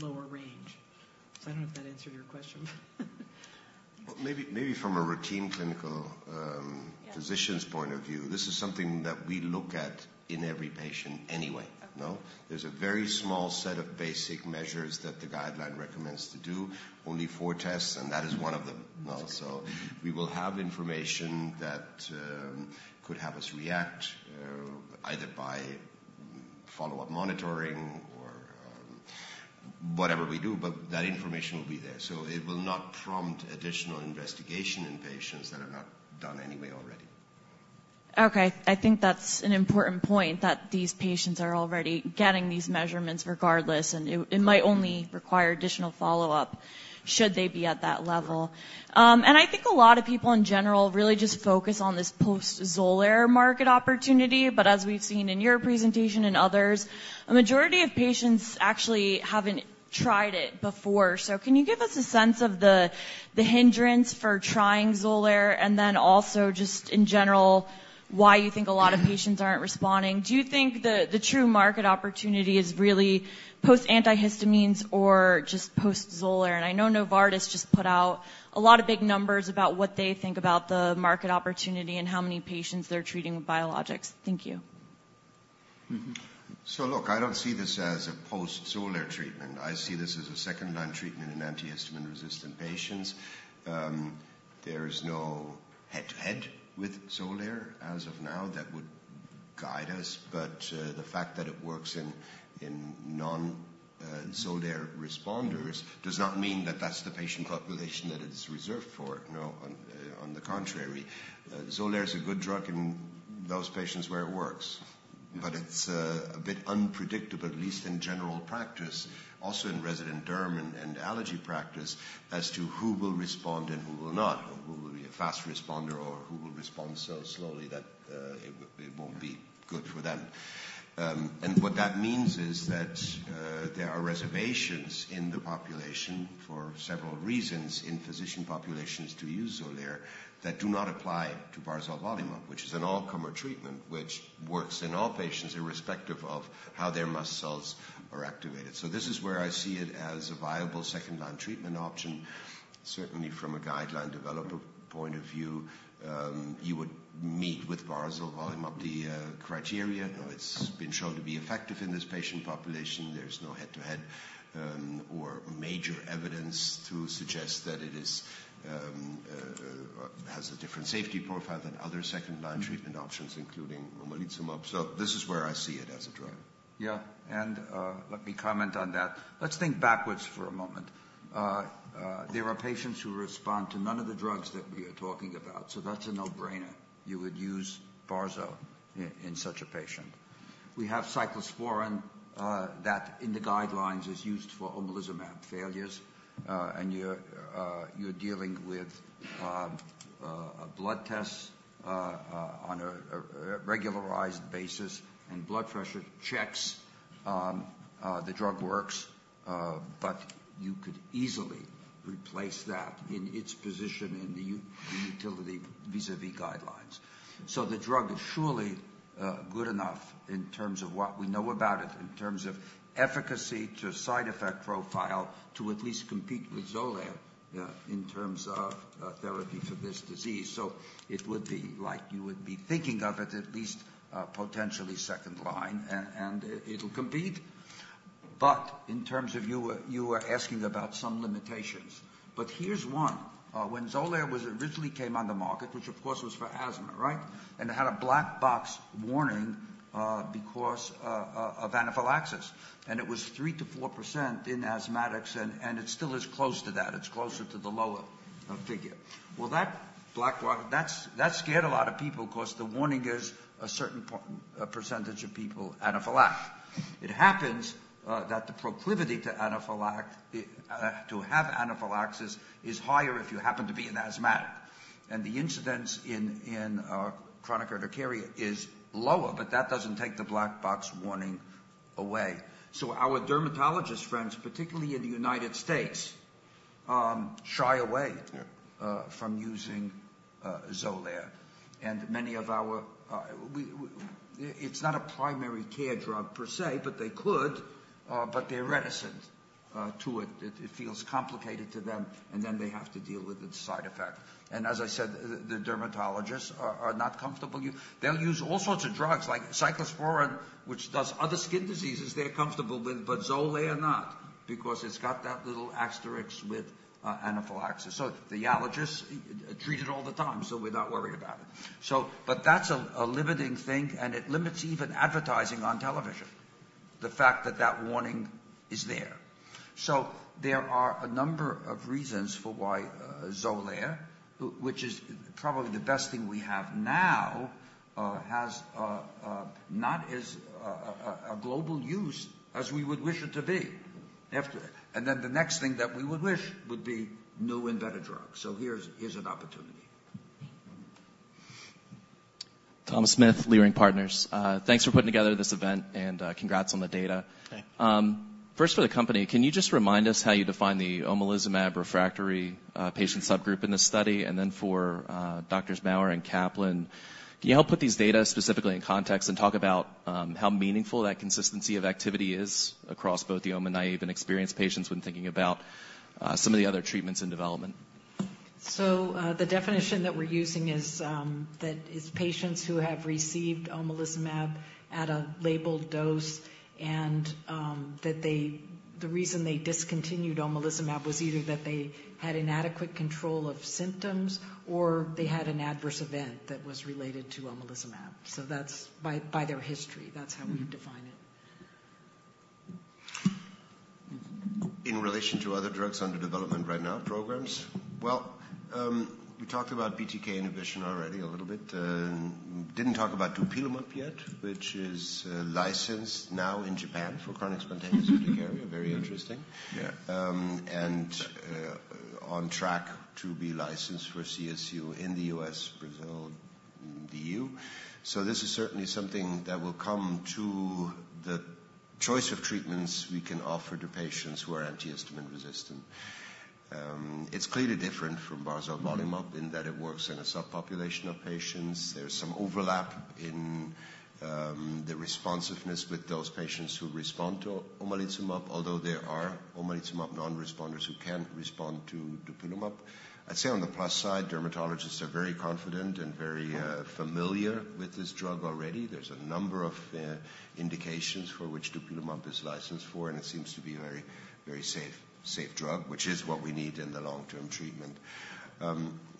range. So I don't know if that answered your question. Maybe from a routine clinical physician's point of view, this is something that we look at in every patient anyway, no? There's a very small set of basic measures that the guideline recommends to do, only four tests. And that is one of them, no? So we will have information that could have us react either by follow-up monitoring or whatever we do. But that information will be there. So it will not prompt additional investigation in patients that are not done anyway already. Okay. I think that's an important point, that these patients are already getting these measurements regardless. And it might only require additional follow-up should they be at that level. And I think a lot of people in general really just focus on this post-Xolair market opportunity. But as we've seen in your presentation and others, a majority of patients actually haven't tried it before. So can you give us a sense of the hindrance for trying Xolair? And then also just in general, why you think a lot of patients aren't responding? Do you think the true market opportunity is really post-antihistamines or just post-Xolair? And I know Novartis just put out a lot of big numbers about what they think about the market opportunity and how many patients they're treating with biologics. Thank you. So, look, I don't see this as a post-Xolair treatment. I see this as a second-line treatment in antihistamine-resistant patients. There is no head-to-head with Xolair as of now that would guide us. But the fact that it works in non-Xolair responders does not mean that that's the patient population that it's reserved for, no? On the contrary, Xolair is a good drug in those patients where it works. But it's a bit unpredictable, at least in general practice, also in resident derm and allergy practice, as to who will respond and who will not, who will be a fast responder or who will respond so slowly that it won't be good for them. And what that means is that there are reservations in the population for several reasons in physician populations to use Xolair that do not apply to barzolvolimab, which is an all-comer treatment which works in all patients irrespective of how their mast cells are activated. So this is where I see it as a viable second-line treatment option. Certainly, from a guideline developer point of view, you would meet with barzolvolimab the criteria. It's been shown to be effective in this patient population. There's no head-to-head or major evidence to suggest that it has a different safety profile than other second-line treatment options, including omalizumab. So this is where I see it as a drug. Yeah. And let me comment on that. Let's think backwards for a moment. There are patients who respond to none of the drugs that we are talking about. So that's a no-brainer. You would use Barzo in such a patient. We have cyclosporine that, in the guidelines, is used for omalizumab failures. And you're dealing with blood tests on a regularized basis and blood pressure checks. The drug works. But you could easily replace that in its position in the utility vis-à-vis guidelines. The drug is surely good enough in terms of what we know about it, in terms of efficacy to side effect profile, to at least compete with Xolair in terms of therapy for this disease. It would be like you would be thinking of it at least potentially second-line. It'll compete. In terms of you were asking about some limitations. Here's one. When Xolair originally came on the market, which, of course, was for asthma, right? It had a black box warning because of anaphylaxis. It was 3%-4% in asthmatics. It still is close to that. It's closer to the lower figure. Well, that black box scared a lot of people because the warning is a certain percentage of people anaphylact. It happens that the proclivity to anaphylactic, to have anaphylaxis, is higher if you happen to be an asthmatic. The incidence in chronic urticaria is lower. But that doesn't take the black box warning away. Our dermatologist friends, particularly in the United States, shy away from using Xolair. Many of our—it's not a primary care drug per se. But they could. But they're reticent to it. It feels complicated to them. And then they have to deal with its side effects. And as I said, the dermatologists are not comfortable. They'll use all sorts of drugs like cyclosporine, which does other skin diseases they're comfortable with. But Xolair not because it's got that little asterisk with anaphylaxis. The allergists treat it all the time. We're not worried about it. But that's a limiting thing. And it limits even advertising on television, the fact that that warning is there. So there are a number of reasons for why Xolair, which is probably the best thing we have now, has not as a global use as we would wish it to be. And then the next thing that we would wish would be new and better drugs. So here's an opportunity. Thomas Smith, Leerink Partners. Thanks for putting together this event. And congrats on the data. First, for the company, can you just remind us how you define the omalizumab refractory patient subgroup in this study? And then for Doctors Maurer and Kaplan, can you help put these data specifically in context and talk about how meaningful that consistency of activity is across both the omalizumab-naive and experienced patients when thinking about some of the other treatments in development? So the definition that we're using is that it's patients who have received omalizumab at a labeled dose. And that they the reason they discontinued omalizumab was either that they had inadequate control of symptoms or they had an adverse event that was related to omalizumab. So that's by their history. That's how we define it. In relation to other drugs under development right now programs? Well, we talked about BTK inhibition already a little bit. Didn't talk about dupilumab yet, which is licensed now in Japan for chronic spontaneous urticaria. Very interesting. And on track to be licensed for CSU in the U.S., Brazil, the E.U. So this is certainly something that will come to the choice of treatments we can offer to patients who are antihistamine-resistant. It's clearly different from barzolvolimab in that it works in a subpopulation of patients. There's some overlap in the responsiveness with those patients who respond to omalizumab, although there are omalizumab non-responders who can respond to dupilumab. I'd say on the plus side, dermatologists are very confident and very familiar with this drug already. There's a number of indications for which dupilumab is licensed for. And it seems to be a very, very safe drug, which is what we need in the long-term treatment.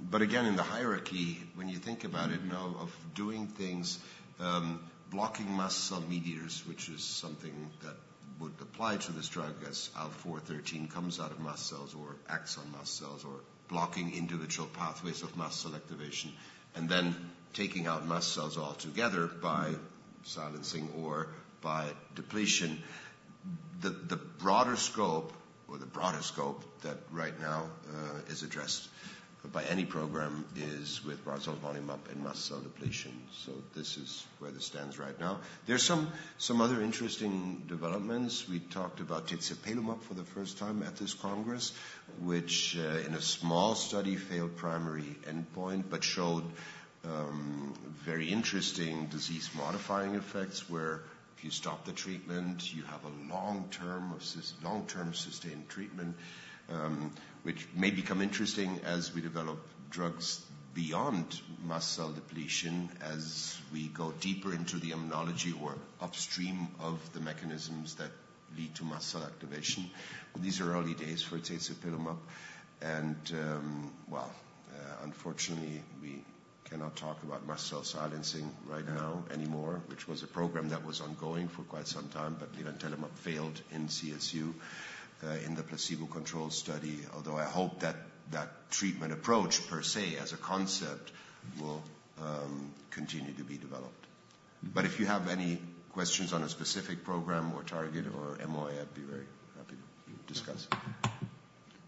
But again, in the hierarchy, when you think about it, no? Of doing things, blocking mast cell mediators, which is something that would apply to this drug as IL-4, 13 comes out of mast cells or acts on mast cells, or blocking individual pathways of mast cell activation, and then taking out mast cells altogether by silencing or by depletion, the broader scope or the broader scope that right now is addressed by any program is with barzolvolimab and mast cell depletion. So this is where this stands right now. There's some other interesting developments. We talked about tezepelumab for the first time at this congress, which in a small study failed primary endpoint but showed very interesting disease-modifying effects where if you stop the treatment, you have a long-term sustained treatment, which may become interesting as we develop drugs beyond mast cell depletion, as we go deeper into the immunology or upstream of the mechanisms that lead to mast cell activation. These are early days for tezepelumab. And, well, unfortunately, we cannot talk about mast cell silencing right now anymore, which was a program that was ongoing for quite some time. But lirentelimab failed in CSU in the placebo control study, although I hope that that treatment approach per se as a concept will continue to be developed. But if you have any questions on a specific program or target or MOA, I'd be very happy to discuss.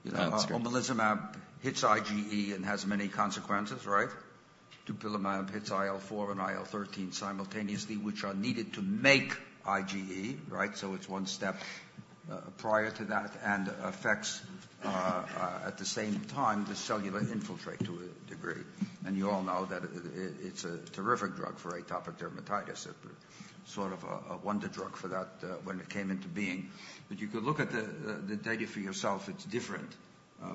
Yeah. That's great. Omalizumab hits IgE and has many consequences, right? Dupilumab hits IL-4 and IL-13 simultaneously, which are needed to make IgE, right? So it's one step prior to that. And it affects at the same time the cellular infiltrate to a degree. And you all know that it's a terrific drug for atopic dermatitis, sort of a wonder drug for that when it came into being. But you could look at the data for yourself. It's different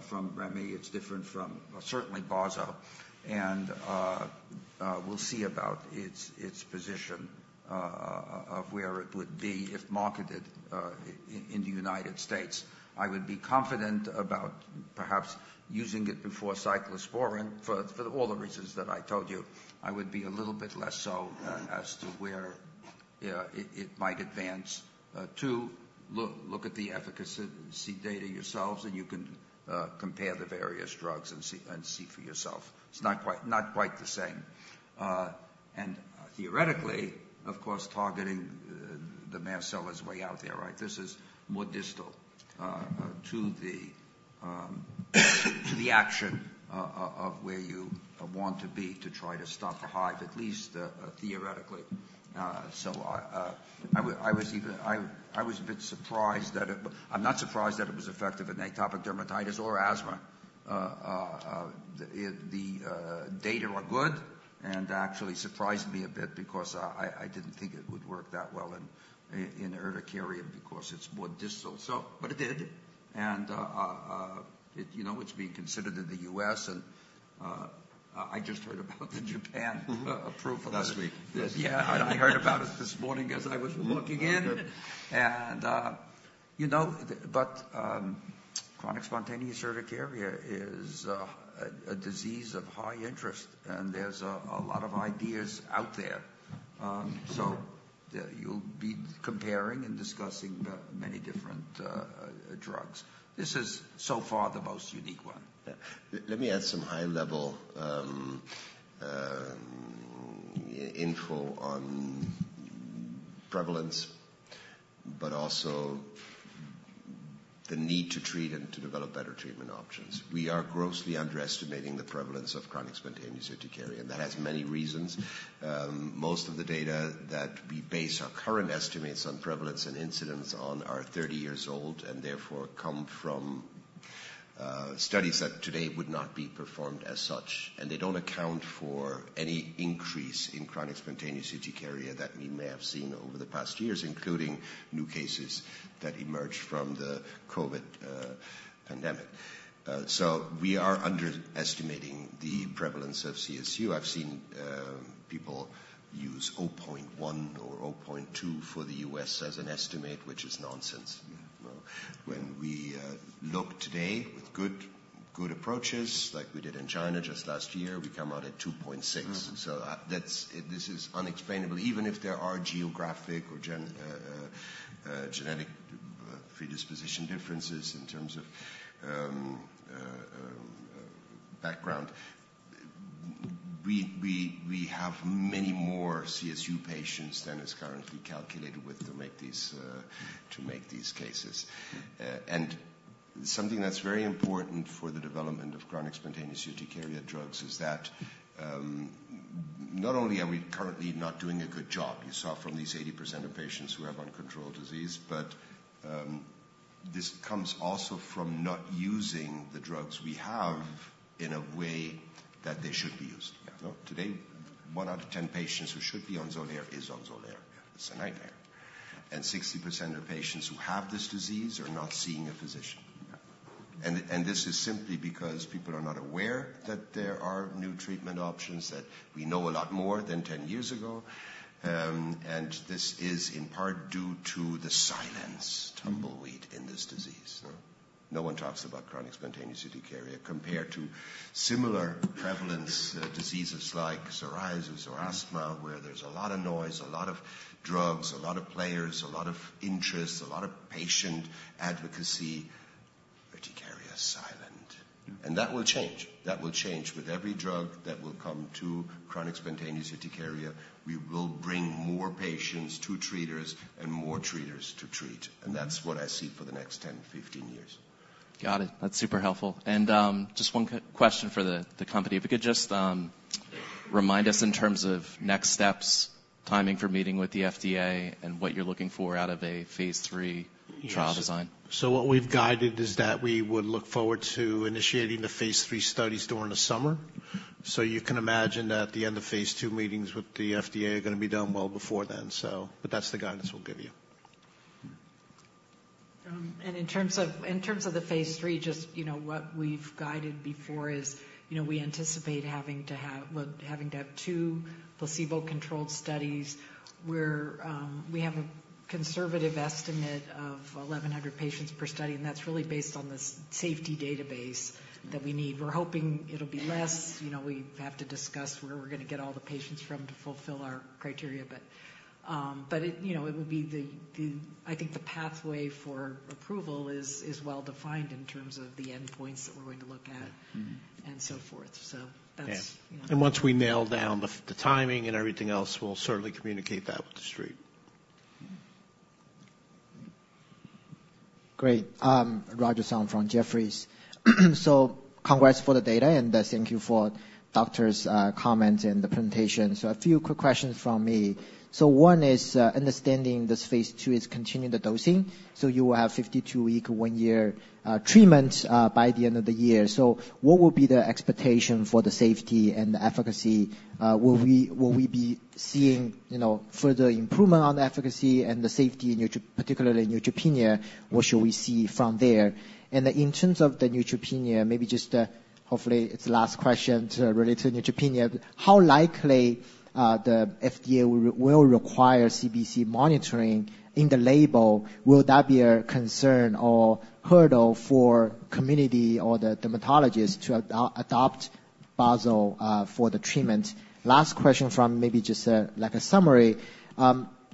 from RemI. It's different from certainly barzo. And we'll see about its position of where it would be if marketed in the United States. I would be confident about perhaps using it before cyclosporine for all the reasons that I told you. I would be a little bit less so as to where it might advance. Two, look at the efficacy, see data yourselves. You can compare the various drugs and see for yourself. It's not quite the same. Theoretically, of course, targeting the mast cell is way out there, right? This is more distal to the action of where you want to be to try to stop a hive, at least theoretically. So I'm not surprised that it was effective in atopic dermatitis or asthma. The data are good. Actually, it surprised me a bit because I didn't think it would work that well in urticaria because it's more distal. But it did. It's being considered in the U.S. I just heard about the Japan approval last week. Yeah. I heard about it this morning as I was walking in. But chronic spontaneous urticaria is a disease of high interest. There's a lot of ideas out there. You'll be comparing and discussing many different drugs. This is so far the most unique one. Let me add some high-level info on prevalence but also the need to treat and to develop better treatment options. We are grossly underestimating the prevalence of chronic spontaneous urticaria. That has many reasons. Most of the data that we base our current estimates on prevalence and incidence on are 30 years old and therefore come from studies that today would not be performed as such. They don't account for any increase in chronic spontaneous urticaria that we may have seen over the past years, including new cases that emerged from the COVID pandemic. We are underestimating the prevalence of CSU. I've seen people use 0.1 or 0.2 for the U.S. as an estimate, which is nonsense, no? When we look today with good approaches like we did in China just last year, we come out at 2.6. So this is unexplainable. Even if there are geographic or genetic predisposition differences in terms of background, we have many more CSU patients than is currently calculated with to make these cases. Something that's very important for the development of chronic spontaneous urticaria drugs is that not only are we currently not doing a good job, you saw from these 80% of patients who have uncontrolled disease, but this comes also from not using the drugs we have in a way that they should be used, no? Today, one out of 10 patients who should be on Xolair is on Xolair. It's a nightmare. And 60% of patients who have this disease are not seeing a physician. This is simply because people are not aware that there are new treatment options, that we know a lot more than 10 years ago. And this is in part due to the silence, tumbleweed, in this disease, no? No one talks about chronic spontaneous urticaria compared to similar prevalence diseases like psoriasis or asthma where there's a lot of noise, a lot of drugs, a lot of players, a lot of interest, a lot of patient advocacy. Urticaria is silent. And that will change. That will change with every drug that will come to chronic spontaneous urticaria. We will bring more patients to treaters and more treaters to treat. And that's what I see for the next 10, 15 years. Got it. That's super helpful. And just one question for the company. If you could just remind us in terms of next steps, timing for meeting with the FDA, and what you're looking for out of a phase III trial design? So what we've guided is that we would look forward to initiating the phase III studies during the summer. So you can imagine that the end of phase II meetings with the FDA are going to be done well before then, so. But that's the guidance we'll give you. And in terms of the phase III, just what we've guided before is we anticipate having to have two placebo-controlled studies. We have a conservative estimate of 1,100 patients per study. And that's really based on this safety database that we need. We're hoping it'll be less. We have to discuss where we're going to get all the patients from to fulfill our criteria. But it will be the, I think, the pathway for approval is well-defined in terms of the endpoints that we're going to look at and so forth. So that's. And once we nail down the timing and everything else, we'll certainly communicate that with the street. Great. Roger Song from Jefferies. So congrats for the data. And thank you for doctors' comments and the presentation. So a few quick questions from me. So one is understanding this phase II is continuing the dosing. So you will have 52-week, one-year treatment by the end of the year. So what will be the expectation for the safety and the efficacy? Will we be seeing further improvement on the efficacy and the safety, particularly neutropenia? What should we see from there? And in terms of the neutropenia, maybe just hopefully, it's the last question related to neutropenia. How likely the FDA will require CBC monitoring in the label? Will that be a concern or hurdle for community or the dermatologists to adopt barzolvolimab for the treatment? Last question from maybe just like a summary.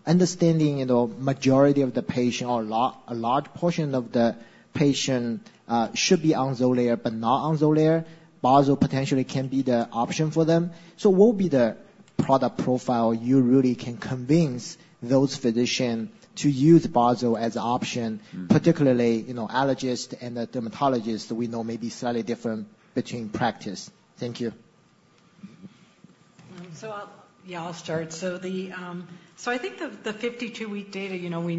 Understanding majority of the patient or a large portion of the patient should be on Xolair but not on Xolair. Barzolvolimab potentially can be the option for them. So what will be the product profile you really can convince those physicians to use barzolvolimab as an option, particularly allergists and the dermatologists that we know may be slightly different between practice? Thank you. So yeah, I'll start. So I think the 52-week data, we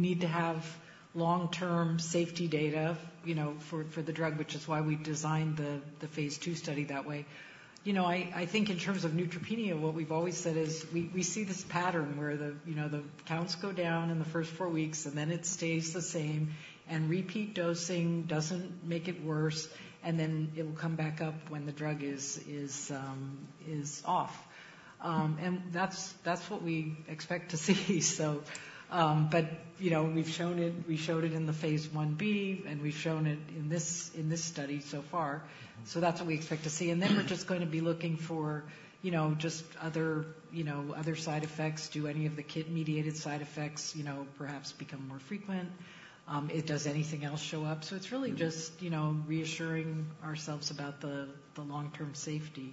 need to have long-term safety data for the drug, which is why we designed the phase II study that way. I think in terms of neutropenia, what we've always said is we see this pattern where the counts go down in the first four weeks. And then it stays the same. And repeat dosing doesn't make it worse. And then it will come back up when the drug is off. And that's what we expect to see, so. But we've shown it. We showed it in the phase I-B. And we've shown it in this study so far. So that's what we expect to see. And then we're just going to be looking for just other side effects. Do any of the KIT-mediated side effects perhaps become more frequent? Does anything else show up? So it's really just reassuring ourselves about the long-term safety.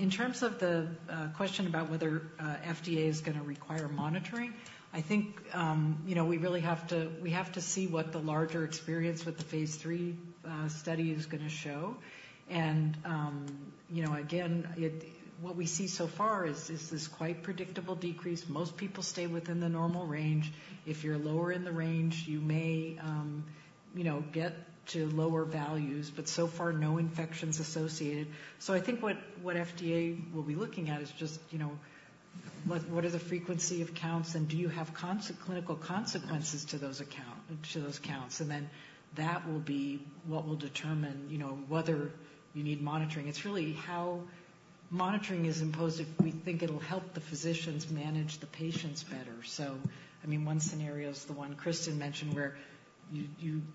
In terms of the question about whether FDA is going to require monitoring, I think we really have to see what the larger experience with the phase III study is going to show. And again, what we see so far is this quite predictable decrease. Most people stay within the normal range. If you're lower in the range, you may get to lower values. But so far, no infections associated. So I think what FDA will be looking at is just what are the frequency of counts? And do you have clinical consequences to those counts? And then that will be what will determine whether you need monitoring. It's really how monitoring is imposed if we think it'll help the physicians manage the patients better. So I mean, one scenario is the one Kristen mentioned where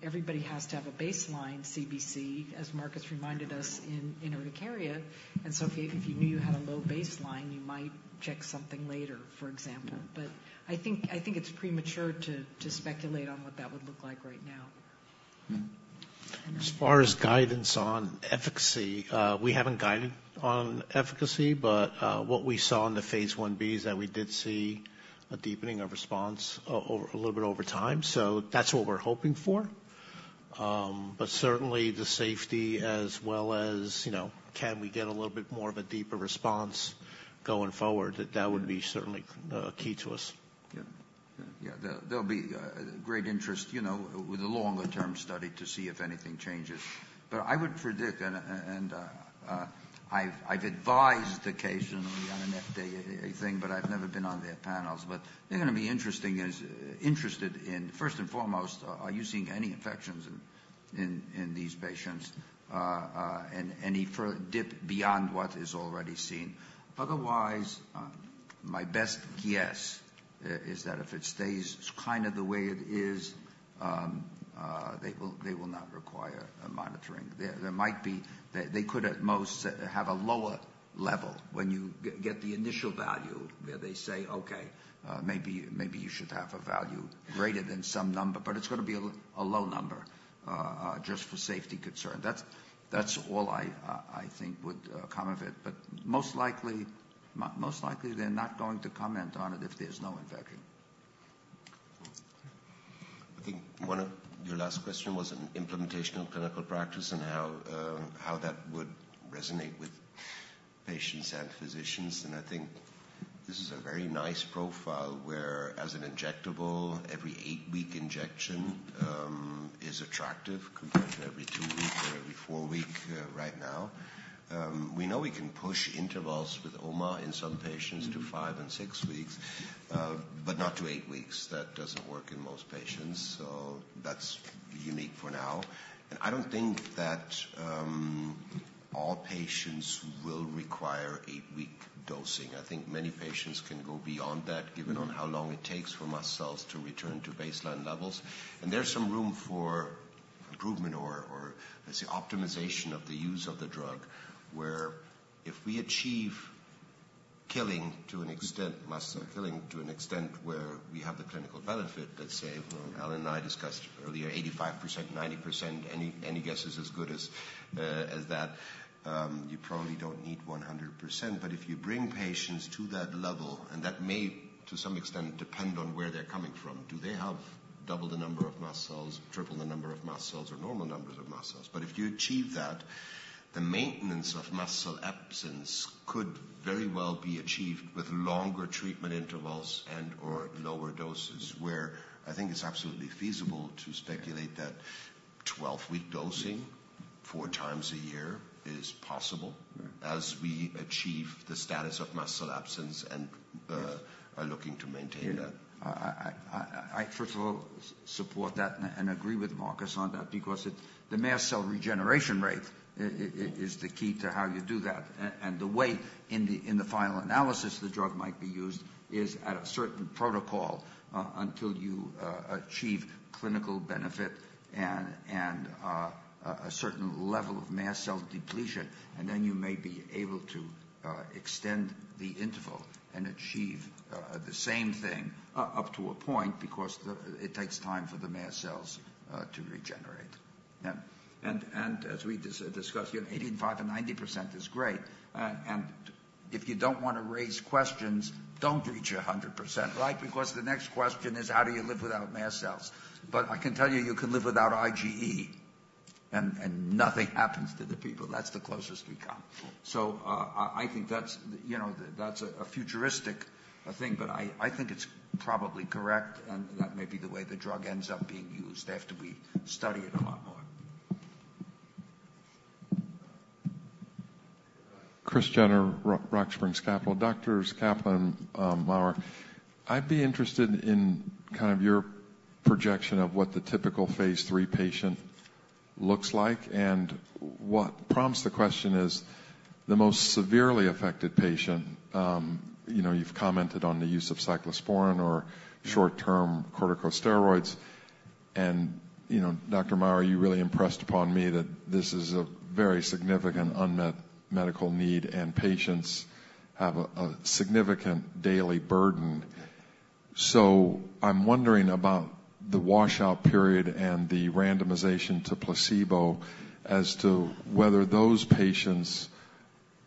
everybody has to have a baseline CBC, as Marcus reminded us, in urticaria. And so if you knew you had a low baseline, you might check something later, for example. But I think it's premature to speculate on what that would look like right now. And then. As far as guidance on efficacy, we haven't guided on efficacy. But what we saw in the phase I-B is that we did see a deepening of response a little bit over time. So that's what we're hoping for. But certainly, the safety as well as can we get a little bit more of a deeper response going forward, that would be certainly key to us. Yeah. Yeah. Yeah. There'll be great interest with a longer-term study to see if anything changes. But I would predict and I've advised occasionally on an FDA thing, but I've never been on their panels. But they're going to be interested in, first and foremost, are you seeing any infections in these patients? And any dip beyond what is already seen? Otherwise, my best guess is that if it stays kind of the way it is, they will not require monitoring. There might be they could at most have a lower level when you get the initial value where they say, "Okay. Maybe you should have a value greater than some number." But it's going to be a low number just for safety concern. That's all I think would comment on it. But most likely, they're not going to comment on it if there's no infection. I think one of your last questions was an implementation of clinical practice and how that would resonate with patients and physicians. And I think this is a very nice profile where, as an injectable, every eight-week injection is attractive compared to every two weeks or every four weeks right now. We know we can push intervals with OMA in some patients to five and six weeks but not to eight weeks. That doesn't work in most patients. So that's unique for now. And I don't think that all patients will require eight-week dosing. I think many patients can go beyond that given on how long it takes for mast cells to return to baseline levels. There's some room for improvement or, let's say, optimization of the use of the drug where if we achieve killing to an extent mast cell killing to an extent where we have the clinical benefit, let's say, well, Allen and I discussed earlier, 85%, 90%, any guess is as good as that. You probably don't need 100%. But if you bring patients to that level and that may to some extent depend on where they're coming from, do they have double the number of mast cells, triple the number of mast cells, or normal numbers of mast cells? But if you achieve that, the maintenance of mast cell absence could very well be achieved with longer treatment intervals and/or lower doses, where I think it's absolutely feasible to speculate that 12-week dosing four times a year is possible as we achieve the status of mast cell absence and are looking to maintain that. First of all, support that and agree with Marcus on that because the mast cell regeneration rate is the key to how you do that. The way in the final analysis, the drug might be used is at a certain protocol until you achieve clinical benefit and a certain level of mast cell depletion. Then you may be able to extend the interval and achieve the same thing up to a point because it takes time for the mast cells to regenerate. As we discussed, 85% and 90% is great. And if you don't want to raise questions, don't reach 100%, right? Because the next question is, "How do you live without mast cells?" But I can tell you you can live without IgE. And nothing happens to the people. That's the closest we come. So I think that's a futuristic thing. But I think it's probably correct. And that may be the way the drug ends up being used. They have to study it a lot more. Kris Jenner, Rock Springs Capital. Doctors Kaplan and Maurer, I'd be interested in kind of your projection of what the typical phase III patient looks like. And what prompts the question is the most severely affected patient, you've commented on the use of cyclosporine or short-term corticosteroids. And Dr. Maurer, you really impressed upon me that this is a very significant unmet medical need and patients have a significant daily burden. So I'm wondering about the washout period and the randomization to placebo as to whether those patients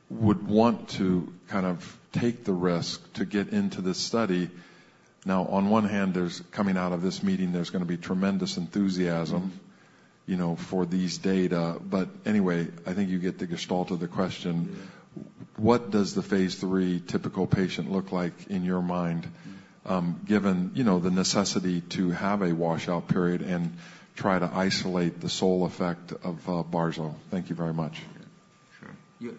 would want to kind of take the risk to get into this study. Now, on one hand, coming out of this meeting, there's going to be tremendous enthusiasm for these data. But anyway, I think you get the gestalt of the question. What does the phase III typical patient look like in your mind given the necessity to have a washout period and try to isolate the sole effect of barzolvolimab? Thank you very much. Sure.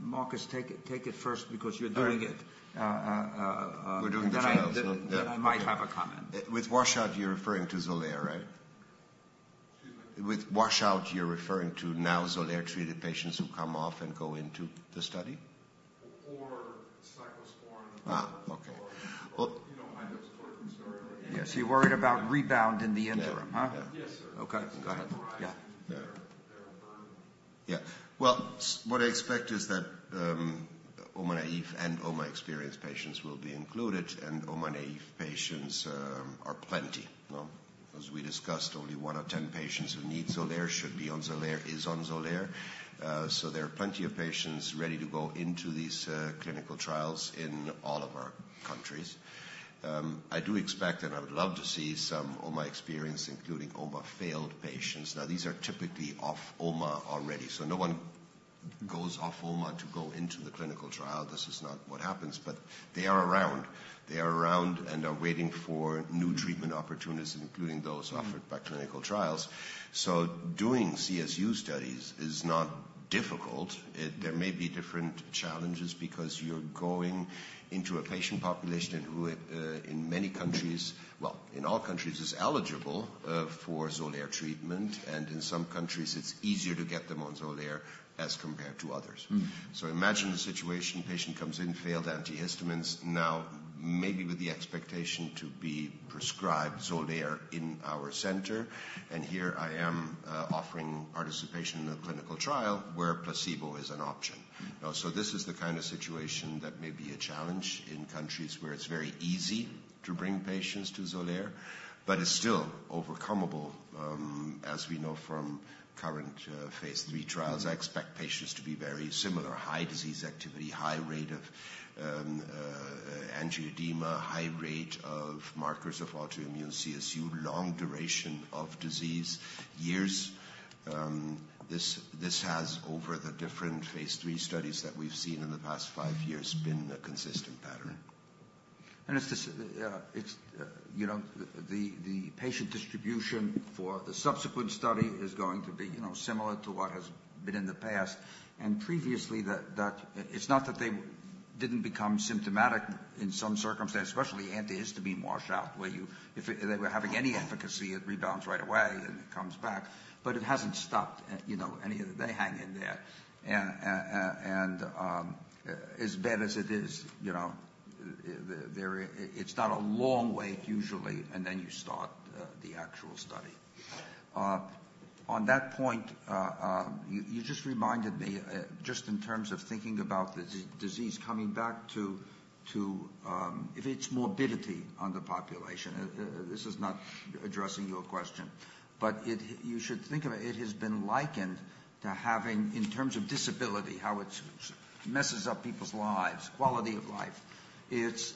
Marcus, take it first because you're doing it. We're doing the trials. Then I might have a comment. With washout, you're referring to Xolair, right? Excuse me. With washout, you're referring to now Xolair-treated patients who come off and go into the study? Or cyclosporine or high-dose corticosteroids. Yes. You're worried about rebound in the interim, huh? Yes, sir. Okay. Go ahead. Yeah. They're a burden. Yeah. Well, what I expect is that OMA naïf and OMA experienced patients will be included. And OMA naïf patients are plenty, no? As we discussed, only one in 10 patients who need Xolair should be on Xolair, is on Xolair. So there are plenty of patients ready to go into these clinical trials in all of our countries. I do expect and I would love to see some OMA experienced, including OMA failed patients. Now, these are typically off OMA already. So no one goes off OMA to go into the clinical trial. This is not what happens. But they are around. They are around and are waiting for new treatment opportunities, including those offered by clinical trials. So doing CSU studies is not difficult. There may be different challenges because you're going into a patient population in who, in many countries, well, in all countries, is eligible for Xolair treatment. And in some countries, it's easier to get them on Xolair as compared to others. So imagine the situation. Patient comes in, failed antihistamines, now maybe with the expectation to be prescribed Xolair in our center. And here I am offering participation in a clinical trial where placebo is an option. So this is the kind of situation that may be a challenge in countries where it's very easy to bring patients to Xolair but is still overcomable, as we know from current phase III trials. I expect patients to be very similar, high disease activity, high rate of angioedema, high rate of markers of autoimmune CSU, long duration of disease, years. This has, over the different phase III studies that we've seen in the past five years, been a consistent pattern. It's the patient distribution for the subsequent study is going to be similar to what has been in the past. Previously, it's not that they didn't become symptomatic in some circumstances, especially antihistamine washout where they were having any efficacy, it rebounds right away and it comes back. But it hasn't stopped any of the day hang in there. As bad as it is, it's not a long wait, usually, and then you start the actual study. On that point, you just reminded me, just in terms of thinking about the disease coming back to if it's morbidity on the population, this is not addressing your question. But you should think of it has been likened to having, in terms of disability, how it messes up people's lives, quality of life. It's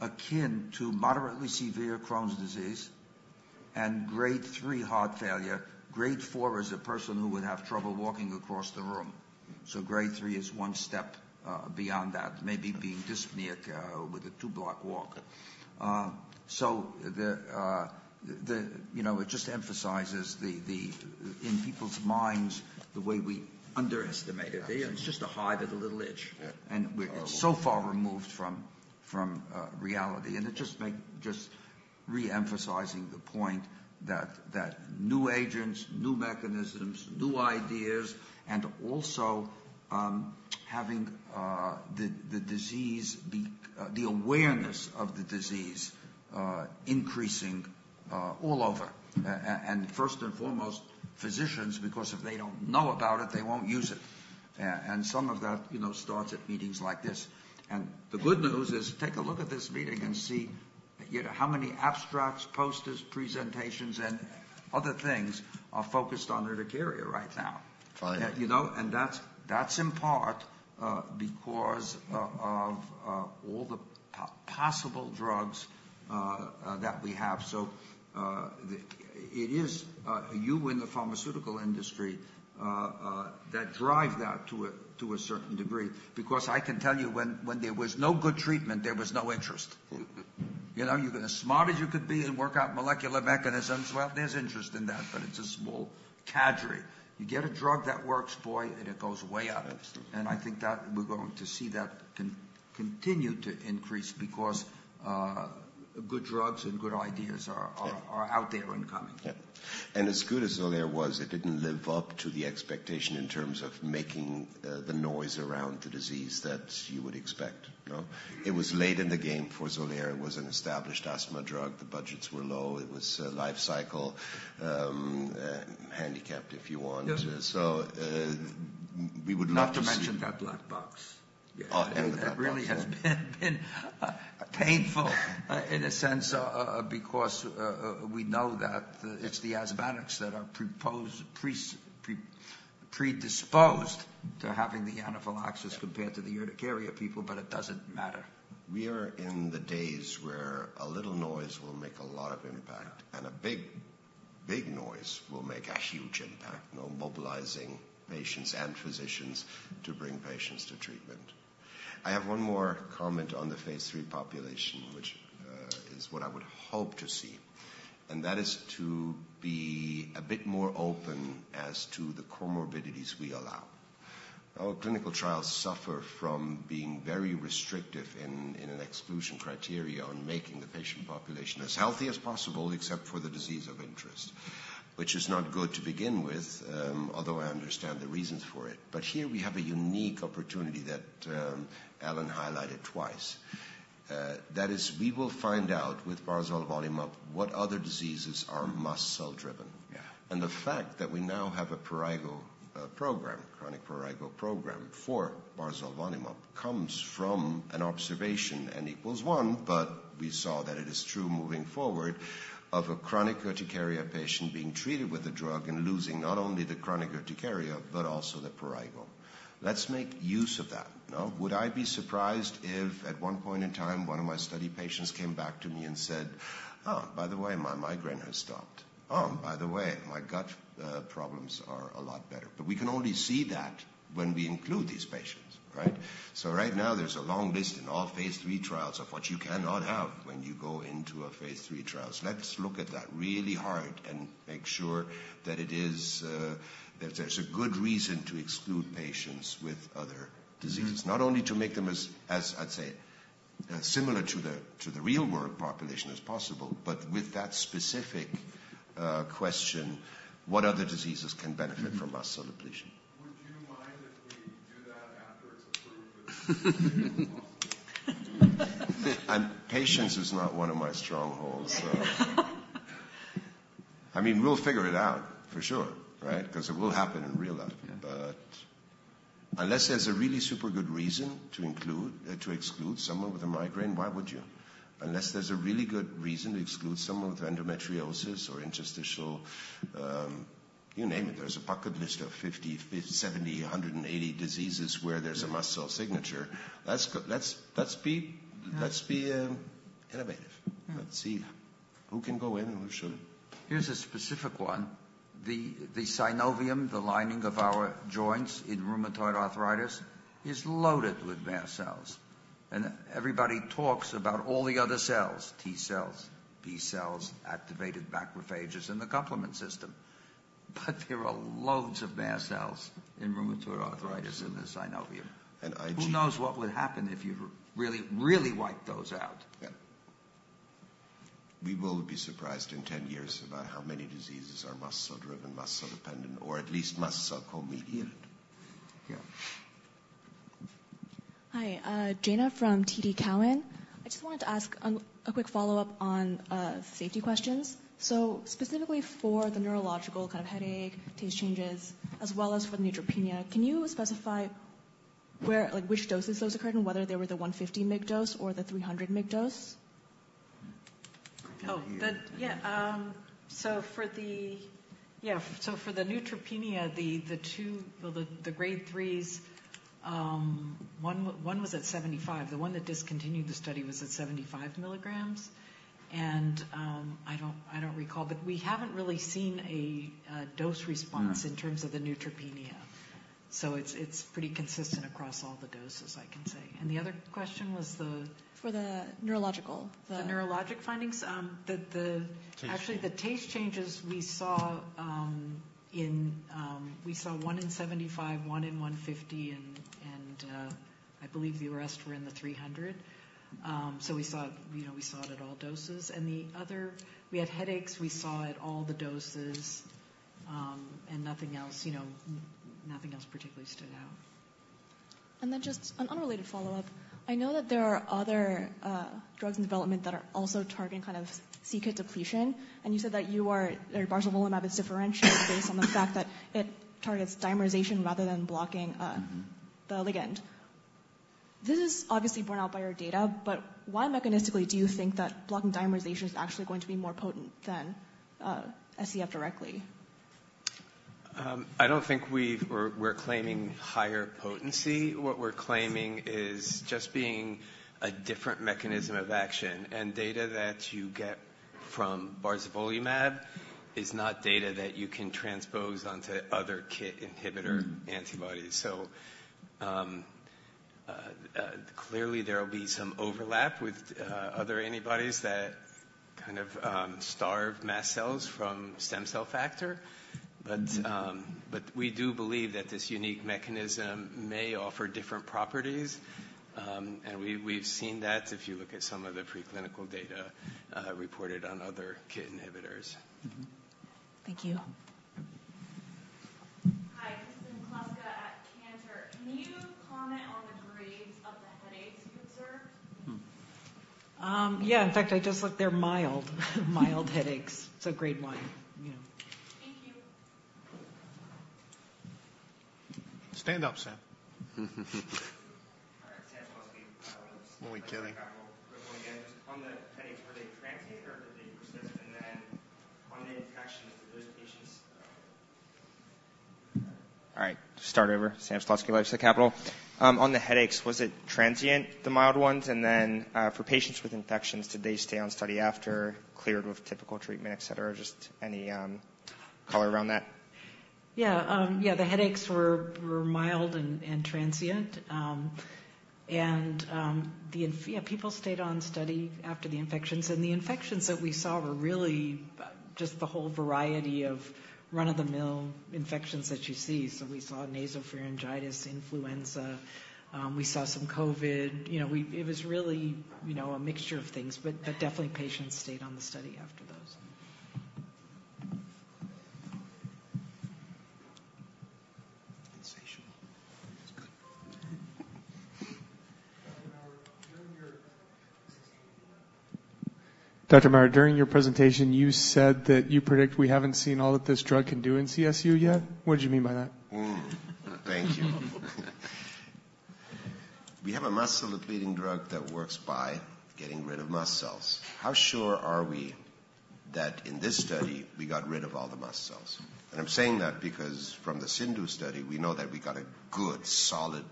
akin to moderately severe Crohn's disease and Grade three heart failure. Grade four is a person who would have trouble walking across the room. So Grade three is one step beyond that, maybe being dyspneic with a two-block walk. So it just emphasizes, in people's minds, the way we underestimate it. It's just a hive at a little itch. And we're so far removed from reality. And it's just reemphasizing the point that new agents, new mechanisms, new ideas, and also having the disease be the awareness of the disease increasing all over. And first and foremost, physicians, because if they don't know about it, they won't use it. And some of that starts at meetings like this. The good news is, take a look at this meeting and see how many abstracts, posters, presentations, and other things are focused on urticaria right now. That's in part because of all the possible drugs that we have. It is you in the pharmaceutical industry that drive that to a certain degree because I can tell you when there was no good treatment, there was no interest. You're going to as smart as you could be and work out molecular mechanisms. Well, there's interest in that. But it's a small cadre. You get a drug that works, boy, and it goes way up. I think that we're going to see that continue to increase because good drugs and good ideas are out there and coming. Yeah. As good as Xolair was, it didn't live up to the expectation in terms of making the noise around the disease that you would expect, no? It was late in the game for Xolair. It was an established asthma drug. The budgets were low. It was lifecycle handicapped, if you want. So we would love to see. Not to mention that black box. Yeah. And the black box. It really has been painful in a sense because we know that it's the asthmatics that are predisposed to having the anaphylaxis compared to the urticaria people. But it doesn't matter. We are in the days where a little noise will make a lot of impact. And a big, big noise will make a huge impact, mobilizing patients and physicians to bring patients to treatment. I have one more comment on the phase III population, which is what I would hope to see. That is to be a bit more open as to the comorbidities we allow. Our clinical trials suffer from being very restrictive in an exclusion criteria on making the patient population as healthy as possible except for the disease of interest, which is not good to begin with, although I understand the reasons for it. But here, we have a unique opportunity that Allen highlighted twice. That is, we will find out with barzolvolimab what other diseases are mast cell driven. The fact that we now have a prurigo program, chronic prurigo program for barzolvolimab, comes from an observation and equals one, but we saw that it is true moving forward, of a chronic urticaria patient being treated with a drug and losing not only the chronic urticaria but also the prurigo. Let's make use of that, no? Would I be surprised if, at one point in time, one of my study patients came back to me and said, "Oh, by the way, my migraine has stopped. Oh, by the way, my gut problems are a lot better." But we can only see that when we include these patients, right? So right now, there's a long list in all phase III trials of what you cannot have when you go into a phase III trial. So let's look at that really hard and make sure that it is that there's a good reason to exclude patients with other diseases, not only to make them as, I'd say, similar to the real-world population as possible, but with that specific question, what other diseases can benefit from mast cell depletion? Would you mind if we do that after it's approved with the state of the hospital? Patients is not one of my strongholds, so. I mean, we'll figure it out for sure, right, because it will happen in real life. But unless there's a really super good reason to exclude someone with a migraine, why would you? Unless there's a really good reason to exclude someone with endometriosis or interstitial you name it. There's a bucket list of 50, 70, 180 diseases where there's a mast cell signature. Let's be innovative. Let's see who can go in and who shouldn't. Here's a specific one. The synovium, the lining of our joints in rheumatoid arthritis, is loaded with mast cells. And everybody talks about all the other cells, T-cells, B-cells, activated macrophages, and the complement system. But there are loads of mast cells in rheumatoid arthritis in the synovium. And IgE. Who knows what would happen if you really, really wiped those out? Yeah. We will be surprised in 10 years about how many diseases are mast cell driven, mast cell dependent, or at least mast cell co-mediated. Yeah. Hi. Jana from TD Cowen. I just wanted to ask a quick follow-up on safety questions. So specifically for the neurological kind of headache, taste changes, as well as for the neutropenia, can you specify which doses those occurred and whether they were the 150 mg dose or the 300 mg dose? Oh, yeah. So for the neutropenia, the two, well, theGrade threes, one was at 75 mg. The one that discontinued the study was at 75 mg. And I don't recall. But we haven't really seen a dose response in terms of the neutropenia. So it's pretty consistent across all the doses, I can say. And the other question was For the neurological. the neurologic findings? Actually, the taste changes, we saw one in 75 mg, one in 150 mg, and I believe the rest were in the 300 mg. So we saw it at all doses. And we had headaches. We saw it at all the doses. And nothing else particularly stood out. And then just an unrelated follow-up. I know that there are other drugs in development that are also targeting kind of KIT depletion. You said that you are or barzolvolimab is differential based on the fact that it targets dimerization rather than blocking the ligand. This is obviously borne out by your data. But why mechanistically do you think that blocking dimerization is actually going to be more potent than SCF directly? I don't think we're claiming higher potency. What we're claiming is just being a different mechanism of action. And data that you get from barzolvolimab is not data that you can transpose onto other KIT inhibitor antibodies. So clearly, there will be some overlap with other antibodies that kind of starve mast cells from stem cell factor. But we do believe that this unique mechanism may offer different properties. And we've seen that if you look at some of the preclinical data reported on other KIT inhibitors. Thank you. Hi. Kristen Kluska at Cantor. Can you comment on the grades of the headaches you observed? Yeah. In fact, I just looked. They're mild, mild headaches. So Grade one. Thank you. Sam Slutsky at LifeSci Capital. On the headaches, was it transient, the mild ones? And then for patients with infections, did they stay on study after, cleared with typical treatment, etc.? Just any color around that. Yeah. Yeah. The headaches were mild and transient. And yeah, people stayed on study after the infections. And the infections that we saw were really just the whole variety of run-of-the-mill infections that you see. So we saw nasopharyngitis, influenza. We saw some COVID. It was really a mixture of things. But definitely, patients stayed on the study after those. Sensational. That's good. Dr. Maurer, during your presentation, you said that you predict we haven't seen all that this drug can do in CSU yet. What did you mean by that? Thank you. We have a mast cell depleting drug that works by getting rid of mast cells. How sure are we that, in this study, we got rid of all the mast cells? And I'm saying that because, from the CIndU study, we know that we got a good, solid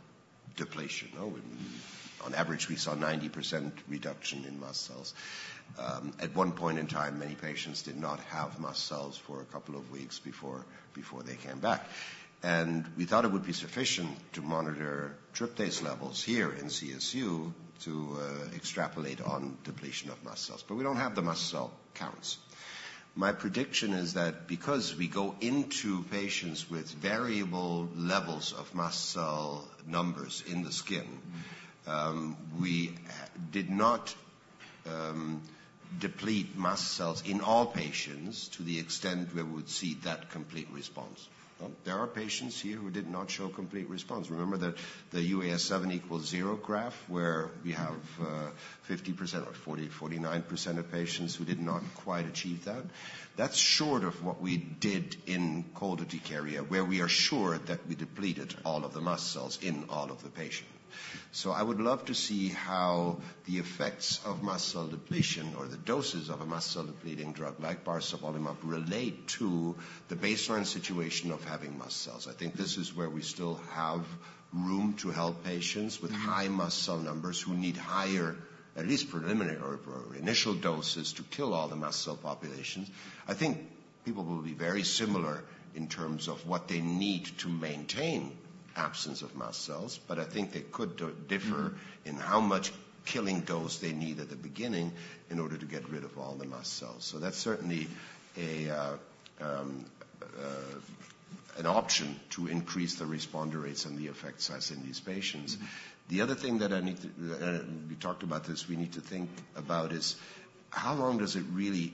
depletion, no? On average, we saw 90% reduction in mast cells. At one point in time, many patients did not have mast cells for a couple of weeks before they came back. And we thought it would be sufficient to monitor tryptase levels here in CSU to extrapolate on depletion of mast cells. But we don't have the mast cell counts. My prediction is that, because we go into patients with variable levels of mast cell numbers in the skin, we did not deplete mast cells in all patients to the extent where we would see that complete response, no? There are patients here who did not show complete response. Remember the UAS7 equals zero graph where we have 50% or 40%, 49% of patients who did not quite achieve that? That's short of what we did in cold urticaria, where we are sure that we depleted all of the mast cells in all of the patient. So I would love to see how the effects of mast cell depletion or the doses of a mast cell depleting drug like barzolvolimab relate to the baseline situation of having mast cells. I think this is where we still have room to help patients with high mast cell numbers who need higher, at least preliminary or initial doses, to kill all the mast cell populations. I think people will be very similar in terms of what they need to maintain absence of mast cells. But I think they could differ in how much killing dose they need at the beginning in order to get rid of all the mast cells. So that's certainly an option to increase the responder rates and the effect size in these patients. The other thing that we need to think about, we talked about this, is how long does it really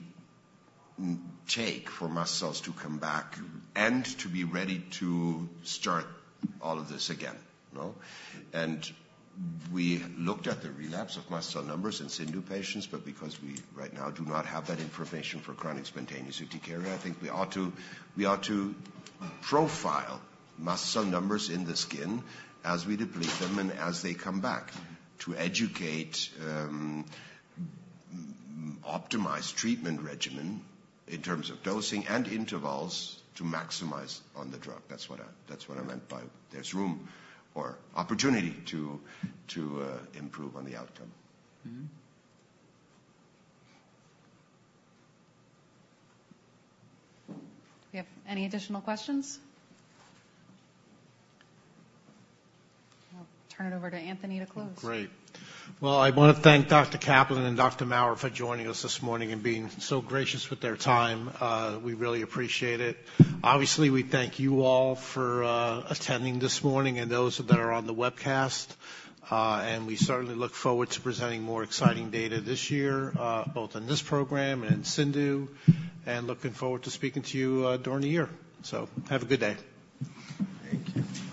take for mast cells to come back and to be ready to start all of this again, no? And we looked at the relapse of mast cell numbers in CIndU patients. Because we, right now, do not have that information for chronic spontaneous urticaria, I think we ought to profile mast cell numbers in the skin as we deplete them and as they come back to educate, optimize treatment regimen in terms of dosing and intervals to maximize on the drug. That's what I meant by there's room or opportunity to improve on the outcome. Do we have any additional questions? I'll turn it over to Anthony to close. Great. Well, I want to thank Dr. Kaplan and Dr. Maurer for joining us this morning and being so gracious with their time. We really appreciate it. Obviously, we thank you all for attending this morning and those that are on the webcast. We certainly look forward to presenting more exciting data this year, both in this program and in CIndU, and looking forward to speaking to you during the year. Have a good day. Thank you.